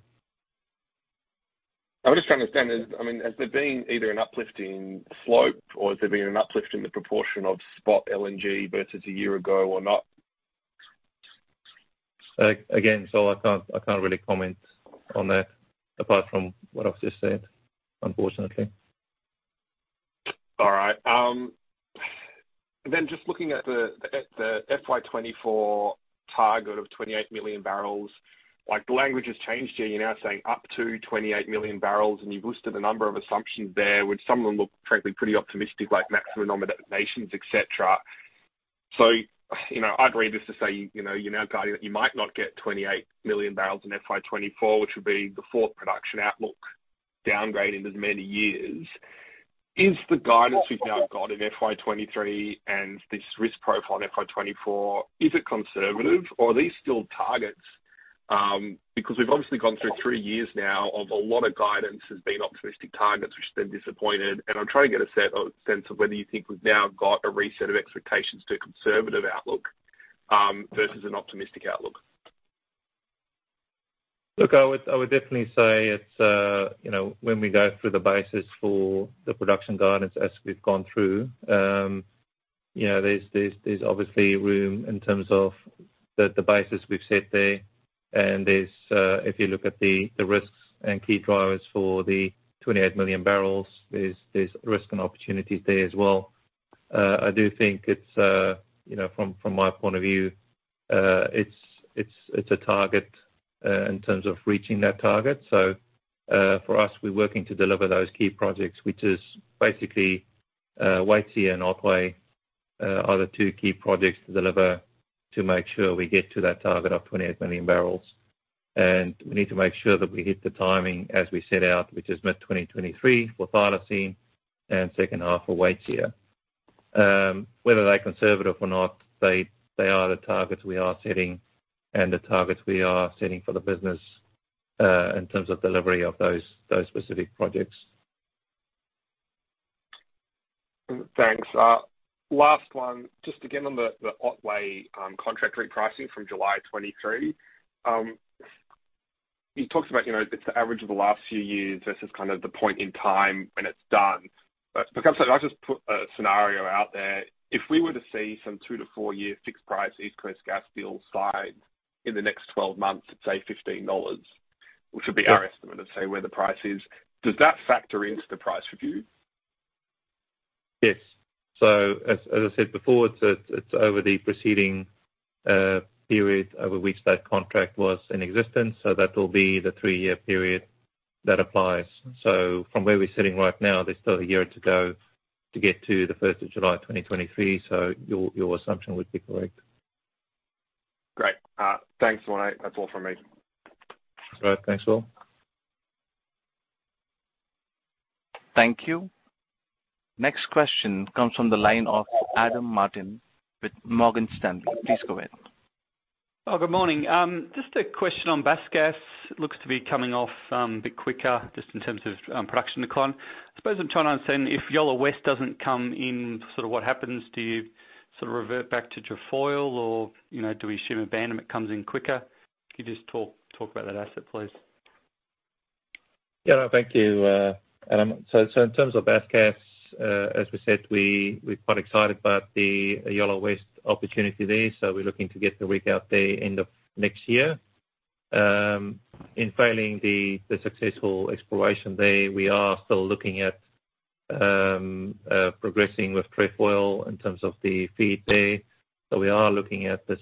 I'm just trying to understand. I mean, has there been either an uplift in slope or has there been an uplift in the proportion of spot LNG versus a year ago or not? Again, Saul, I can't really comment on that apart from what I've just said, unfortunately. All right. Just looking at the FY 2024 target of 28 million barrels, like the language has changed here. You're now saying up to 28 million barrels, and you've listed a number of assumptions there, which some of them look frankly pretty optimistic, like maximum nominations, et cetera. You know, I'd read this to say, you know, you're now guiding that you might not get 28 million barrels in FY 2024, which would be the fourth production outlook downgrade in as many years. Is the guidance we've now got in FY 2023 and this risk profile in FY 2024, is it conservative or are these still targets? Because we've obviously gone through three years now of a lot of guidance has been optimistic targets which have been disappointed. I'm trying to get a sense of whether you think we've now got a reset of expectations to a conservative outlook versus an optimistic outlook? Look, I would definitely say it's, you know, when we go through the basis for the production guidance as we've gone through, you know, there's obviously room in terms of the basis we've set there. There's, if you look at the risks and key drivers for the 28 million barrels, there's risk and opportunities there as well. I do think it's, you know, from my point of view, it's a target in terms of reaching that target. For us, we're working to deliver those key projects, which is basically Waitsia and Otway, are the two key projects to deliver to make sure we get to that target of 28 million barrels. We need to make sure that we hit the timing as we set out, which is mid-2023 for Thylacine and second half for Waitsia. Whether they're conservative or not, they are the targets we are setting for the business, in terms of delivery of those specific projects. Thanks. Last one. Just again, on the Otway, contract repricing from July 2023. You talked about, you know, it's the average of the last few years versus, kind of, the point in time when it's done. Look, I'm saying, I'll just put a scenario out there. If we were to see some two to four-year fixed price East Coast gas deal signed in the next 12 months at, say, 15 dollars, which would be our estimate of, say, where the price is. Does that factor into the price review? Yes. As I said before, it's over the preceding period over which that contract was in existence. That will be the three-year period that applies. From where we're sitting right now, there's still a year to go to get to the first of July 2023. Your assumption would be correct. Great. Thanks, Morné. That's all from me. All right. Thanks, Saul. Thank you. Next question comes from the line of Adam Martin with Morgan Stanley. Please go ahead. Good morning. Just a question on Bass Gas. It looks to be coming off a bit quicker just in terms of production decline. I suppose I'm trying to understand, if Yolla West doesn't come in, sort of what happens to you? Sort of revert back to Trefoil or, you know, do we assume abandonment comes in quicker? Can you just talk about that asset, please? Yeah. No, thank you, Adam. In terms of Bass Basin, as we said, we're quite excited about the Yolla West opportunity there, so we're looking to get the rig out there end of next year. In failing the successful exploration there, we are still looking at progressing with Trefoil in terms of the FEED there. We are looking at the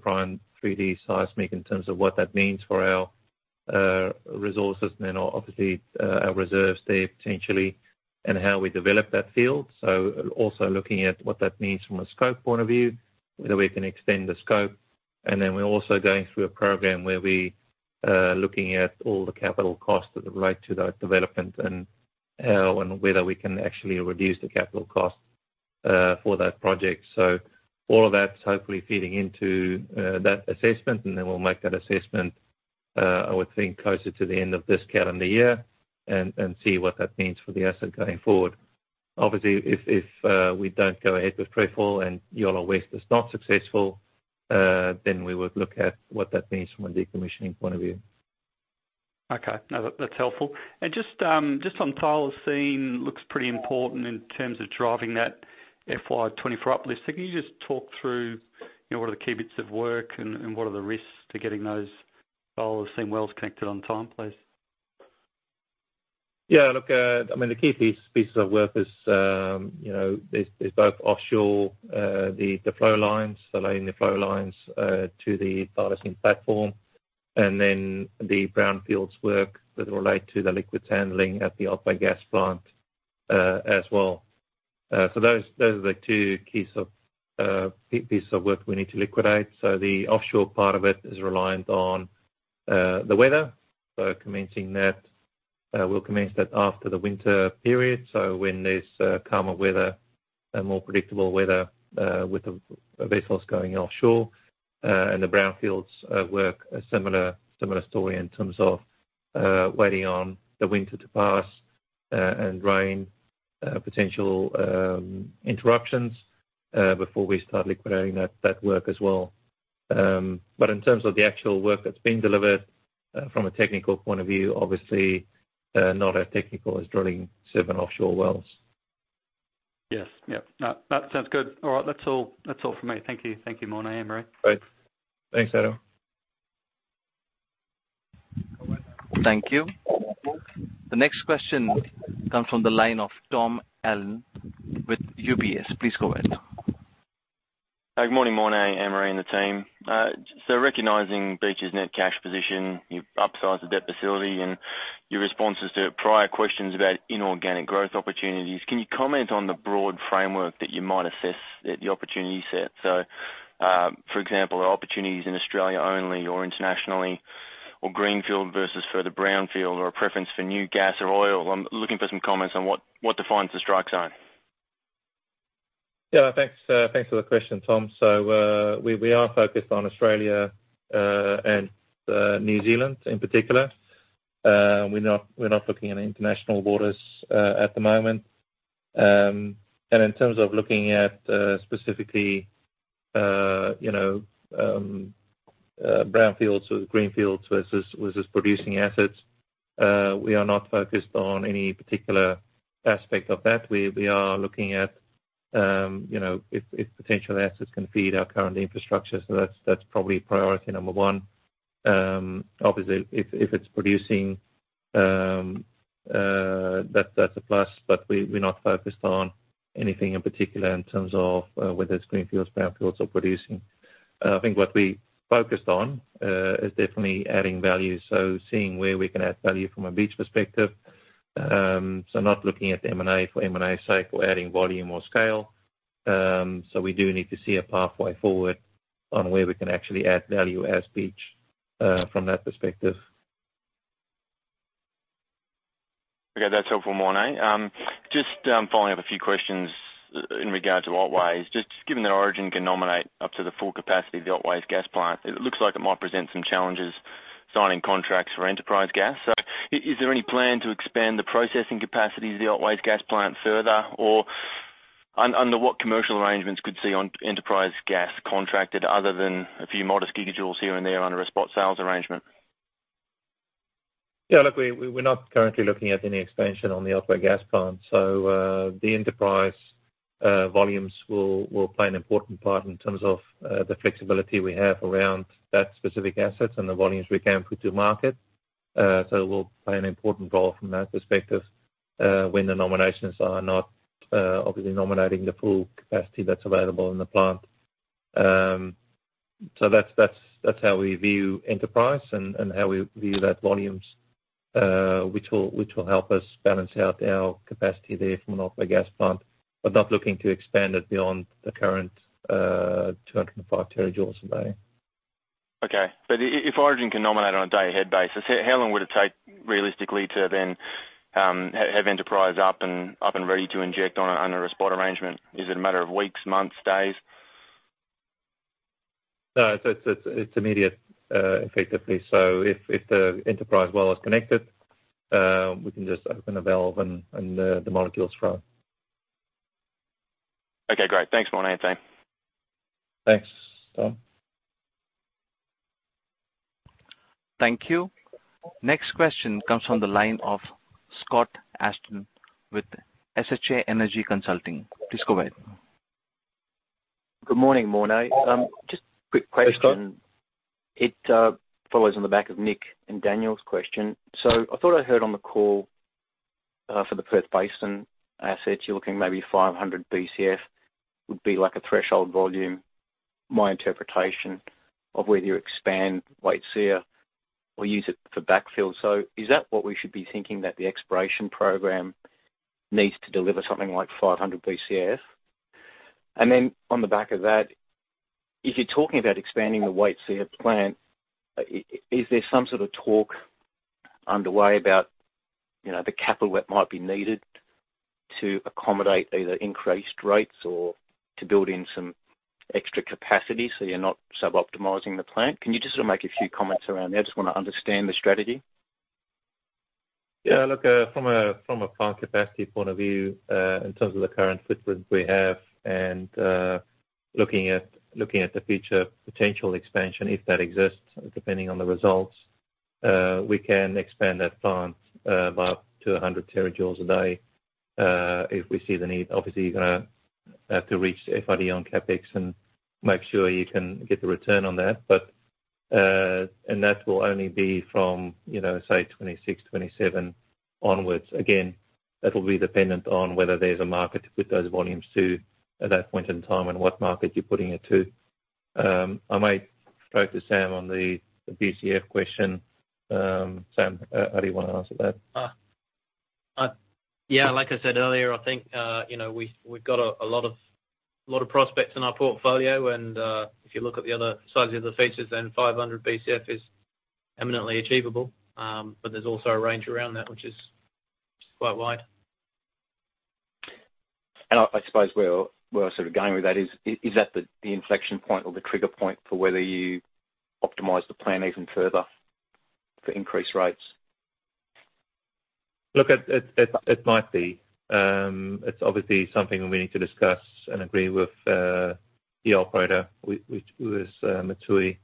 prime 3D seismic in terms of what that means for our resources and then obviously our reserves there potentially in how we develop that field. Also looking at what that means from a scope point of view, whether we can extend the scope. Then we're also going through a program where we, looking at all the capital costs that relate to that development and whether we can actually reduce the capital cost, for that project. All of that's hopefully feeding into, that assessment, and then we'll make that assessment, I would think, closer to the end of this calendar year and, see what that means for the asset going forward. Obviously, if, we don't go ahead with Trefoil and Yolla West is not successful, then we would look at what that means from a decommissioning point of view. Okay. No, that's helpful. Just on Thylacine, looks pretty important in terms of driving that FY 2024 uplift. Can you just talk through, you know, what are the key bits of work and what are the risks to getting those Thylacine wells connected on time, please? Yeah, look, I mean, the key pieces of work is both offshore, the flow lines, so laying the flow lines to the Thylacine platform, and then the brownfields work that relate to the liquids handling at the Otway Gas Plant, as well. Those are the two key pieces of work we need to liquidate. The offshore part of it is reliant on the weather. We'll commence that after the winter period, when there's calmer weather and more predictable weather with the vessels going offshore. The brownfields work, a similar story in terms of waiting on the winter to pass and rain potential interruptions before we start liquidating that work as well. In terms of the actual work that's been delivered, from a technical point of view, obviously, not as technical as drilling 7 Off-shore wells. Yes. Yeah. No, that sounds good. All right. That's all for me. Thank you. Thank you, Morne, Anne-Marie. Great. Thanks, Adam. Thank you. The next question comes from the line of Tom Allen with UBS. Please go ahead. Good morning, Morné, Anne-Marie and the team. Recognizing Beach's net cash position, you've upsized the debt facility and your responses to prior questions about inorganic growth opportunities, can you comment on the broad framework that you might assess at the opportunity set? For example, are opportunities in Australia only or internationally, or greenfield versus further brownfield, or a preference for new gas or oil? I'm looking for some comments on what defines the strike zone. Yeah. Thanks for the question, Tom. We are focused on Australia and New Zealand in particular. We're not looking at international borders at the moment. In terms of looking at specifically, you know, brownfields or greenfields versus producing assets, we are not focused on any particular aspect of that. We are looking at, you know, if potential assets can feed our current infrastructure, so that's probably priority number one. Obviously, if it's producing, that's a plus, but we're not focused on anything in particular in terms of whether it's greenfields, brownfields or producing. I think what we focused on is definitely adding value, so seeing where we can add value from a Beach perspective. Not looking at M&A for M&A cycle, adding volume or scale. We do need to see a pathway forward on where we can actually add value as Beach, from that perspective. Okay. That's helpful, Morné. Just following up a few questions in regard to Otway. Just given that Origin can nominate up to the full capacity of the Otway Gas Plant, it looks like it might present some challenges signing contracts for Enterprise Gas. Is there any plan to expand the processing capacity of the Otway Gas Plant further? Or under what commercial arrangements could we see Enterprise Gas contracted other than a few modest gigajoules here and there under a spot sales arrangement? Look, we're not currently looking at any expansion on the Otway Gas Plant. The enterprise volumes will play an important part in terms of the flexibility we have around that specific asset and the volumes we can put to market. We'll play an important role from that perspective, when the nominations are not obviously nominating the full capacity that's available in the plant. That's how we view Enterprise and how we view that volumes, which will help us balance out our capacity there from an Otway Gas Plant, but not looking to expand it beyond the current 205 terajoules a day. If Origin can nominate on a day-ahead basis, how long would it take realistically to then have Enterprise up and ready to inject under a spot arrangement? Is it a matter of weeks, months, days? No, it's immediate, effectively. If the Enterprise well is connected, we can just open the valve and the molecules flow. Okay, great. Thanks, Morné, Anne-Marie. Thanks, Tom. Thank you. Next question comes from the line of Scott Ashton with SHA Energy Consulting. Please go ahead. Good morning, Morné. Just a quick question. Hey, Scott. It follows on the back of Nick and Daniel's question. I thought I heard on the call for the Perth Basin assets, you're looking maybe 500 BCF would be like a threshold volume, my interpretation of whether you expand Waitsia or use it for backfill. Is that what we should be thinking that the exploration program needs to deliver something like 500 BCF? And then on the back of that, if you're talking about expanding the Waitsia plant, is there some sort of talk underway about, you know, the capital that might be needed to accommodate either increased rates or to build in some extra capacity so you're not suboptimizing the plant? Can you just sort of make a few comments around there? I just wanna understand the strategy. Yeah, look, from a plant capacity point of view, in terms of the current footprint we have and looking at the future potential expansion, if that exists, depending on the results, we can expand that plant to about 100 terajoules a day, if we see the need. Obviously, you're gonna have to reach FID on CapEx and make sure you can get the return on that. But that will only be from, you know, say 2026, 2027 onwards. Again, that'll be dependent on whether there's a market to put those volumes to at that point in time and what market you're putting it to. I might throw to Sam on the BCF question. Sam, how do you wanna answer that? Yeah, like I said earlier, I think, you know, we've got a lot of prospects in our portfolio, and if you look at the other side of the figures then 500 BCF is eminently achievable. But there's also a range around that which is quite wide. I suppose where we're sort of going with that is that the inflection point or the trigger point for whether you optimize the plan even further for increased rates? Look, it might be. It's obviously something we need to discuss and agree with the operator, which is Mitsui,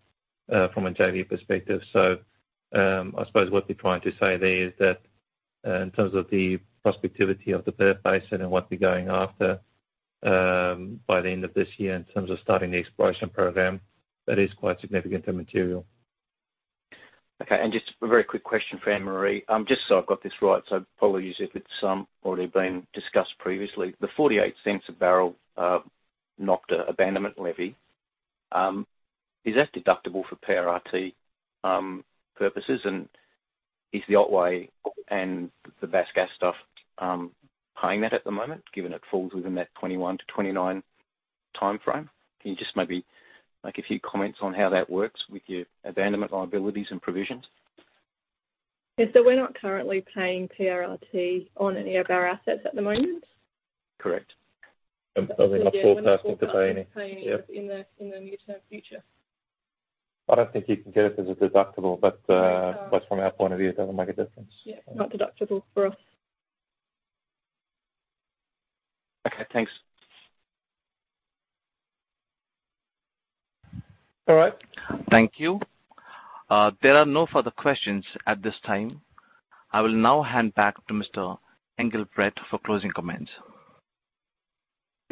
from a JV perspective. I suppose what we're trying to say there is that in terms of the prospectivity of the Perth Basin and what we're going after by the end of this year in terms of starting the exploration program, that is quite significant and material. Okay. Just a very quick question for Anne-Marie. Just so I've got this right, so apologies if it's already been discussed previously. The 0.48 a barrel NOPTA abandonment levy is that deductible for PRRT purposes? And is the Otway and the Bass Basin stuff paying that at the moment, given it falls within that 2021-2029 timeframe? Can you just maybe make a few comments on how that works with your abandonment liabilities and provisions? Yeah. We're not currently paying PRRT on any of our assets at the moment. Correct. [crosstalk] Probably not forecasting to pay any. Yep. [crosstalk] We're not forecasting paying it in the near-term future. I don't think you can get it as a deductible, but, No, you can't. From our point of view, it doesn't make a difference. Yeah, not deductible for us. Okay, thanks. All right. Thank you. There are no further questions at this time. I will now hand back to Mr. Engelbrecht for closing comments.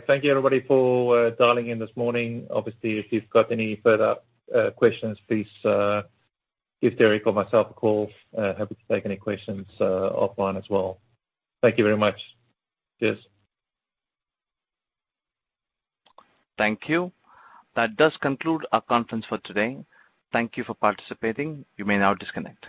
Thank you, everybody, for dialing in this morning. Obviously, if you've got any further questions, please give Derek or myself a call. Happy to take any questions offline as well. Thank you very much. Cheers. Thank you. That does conclude our conference for today. Thank you for participating. You may now disconnect.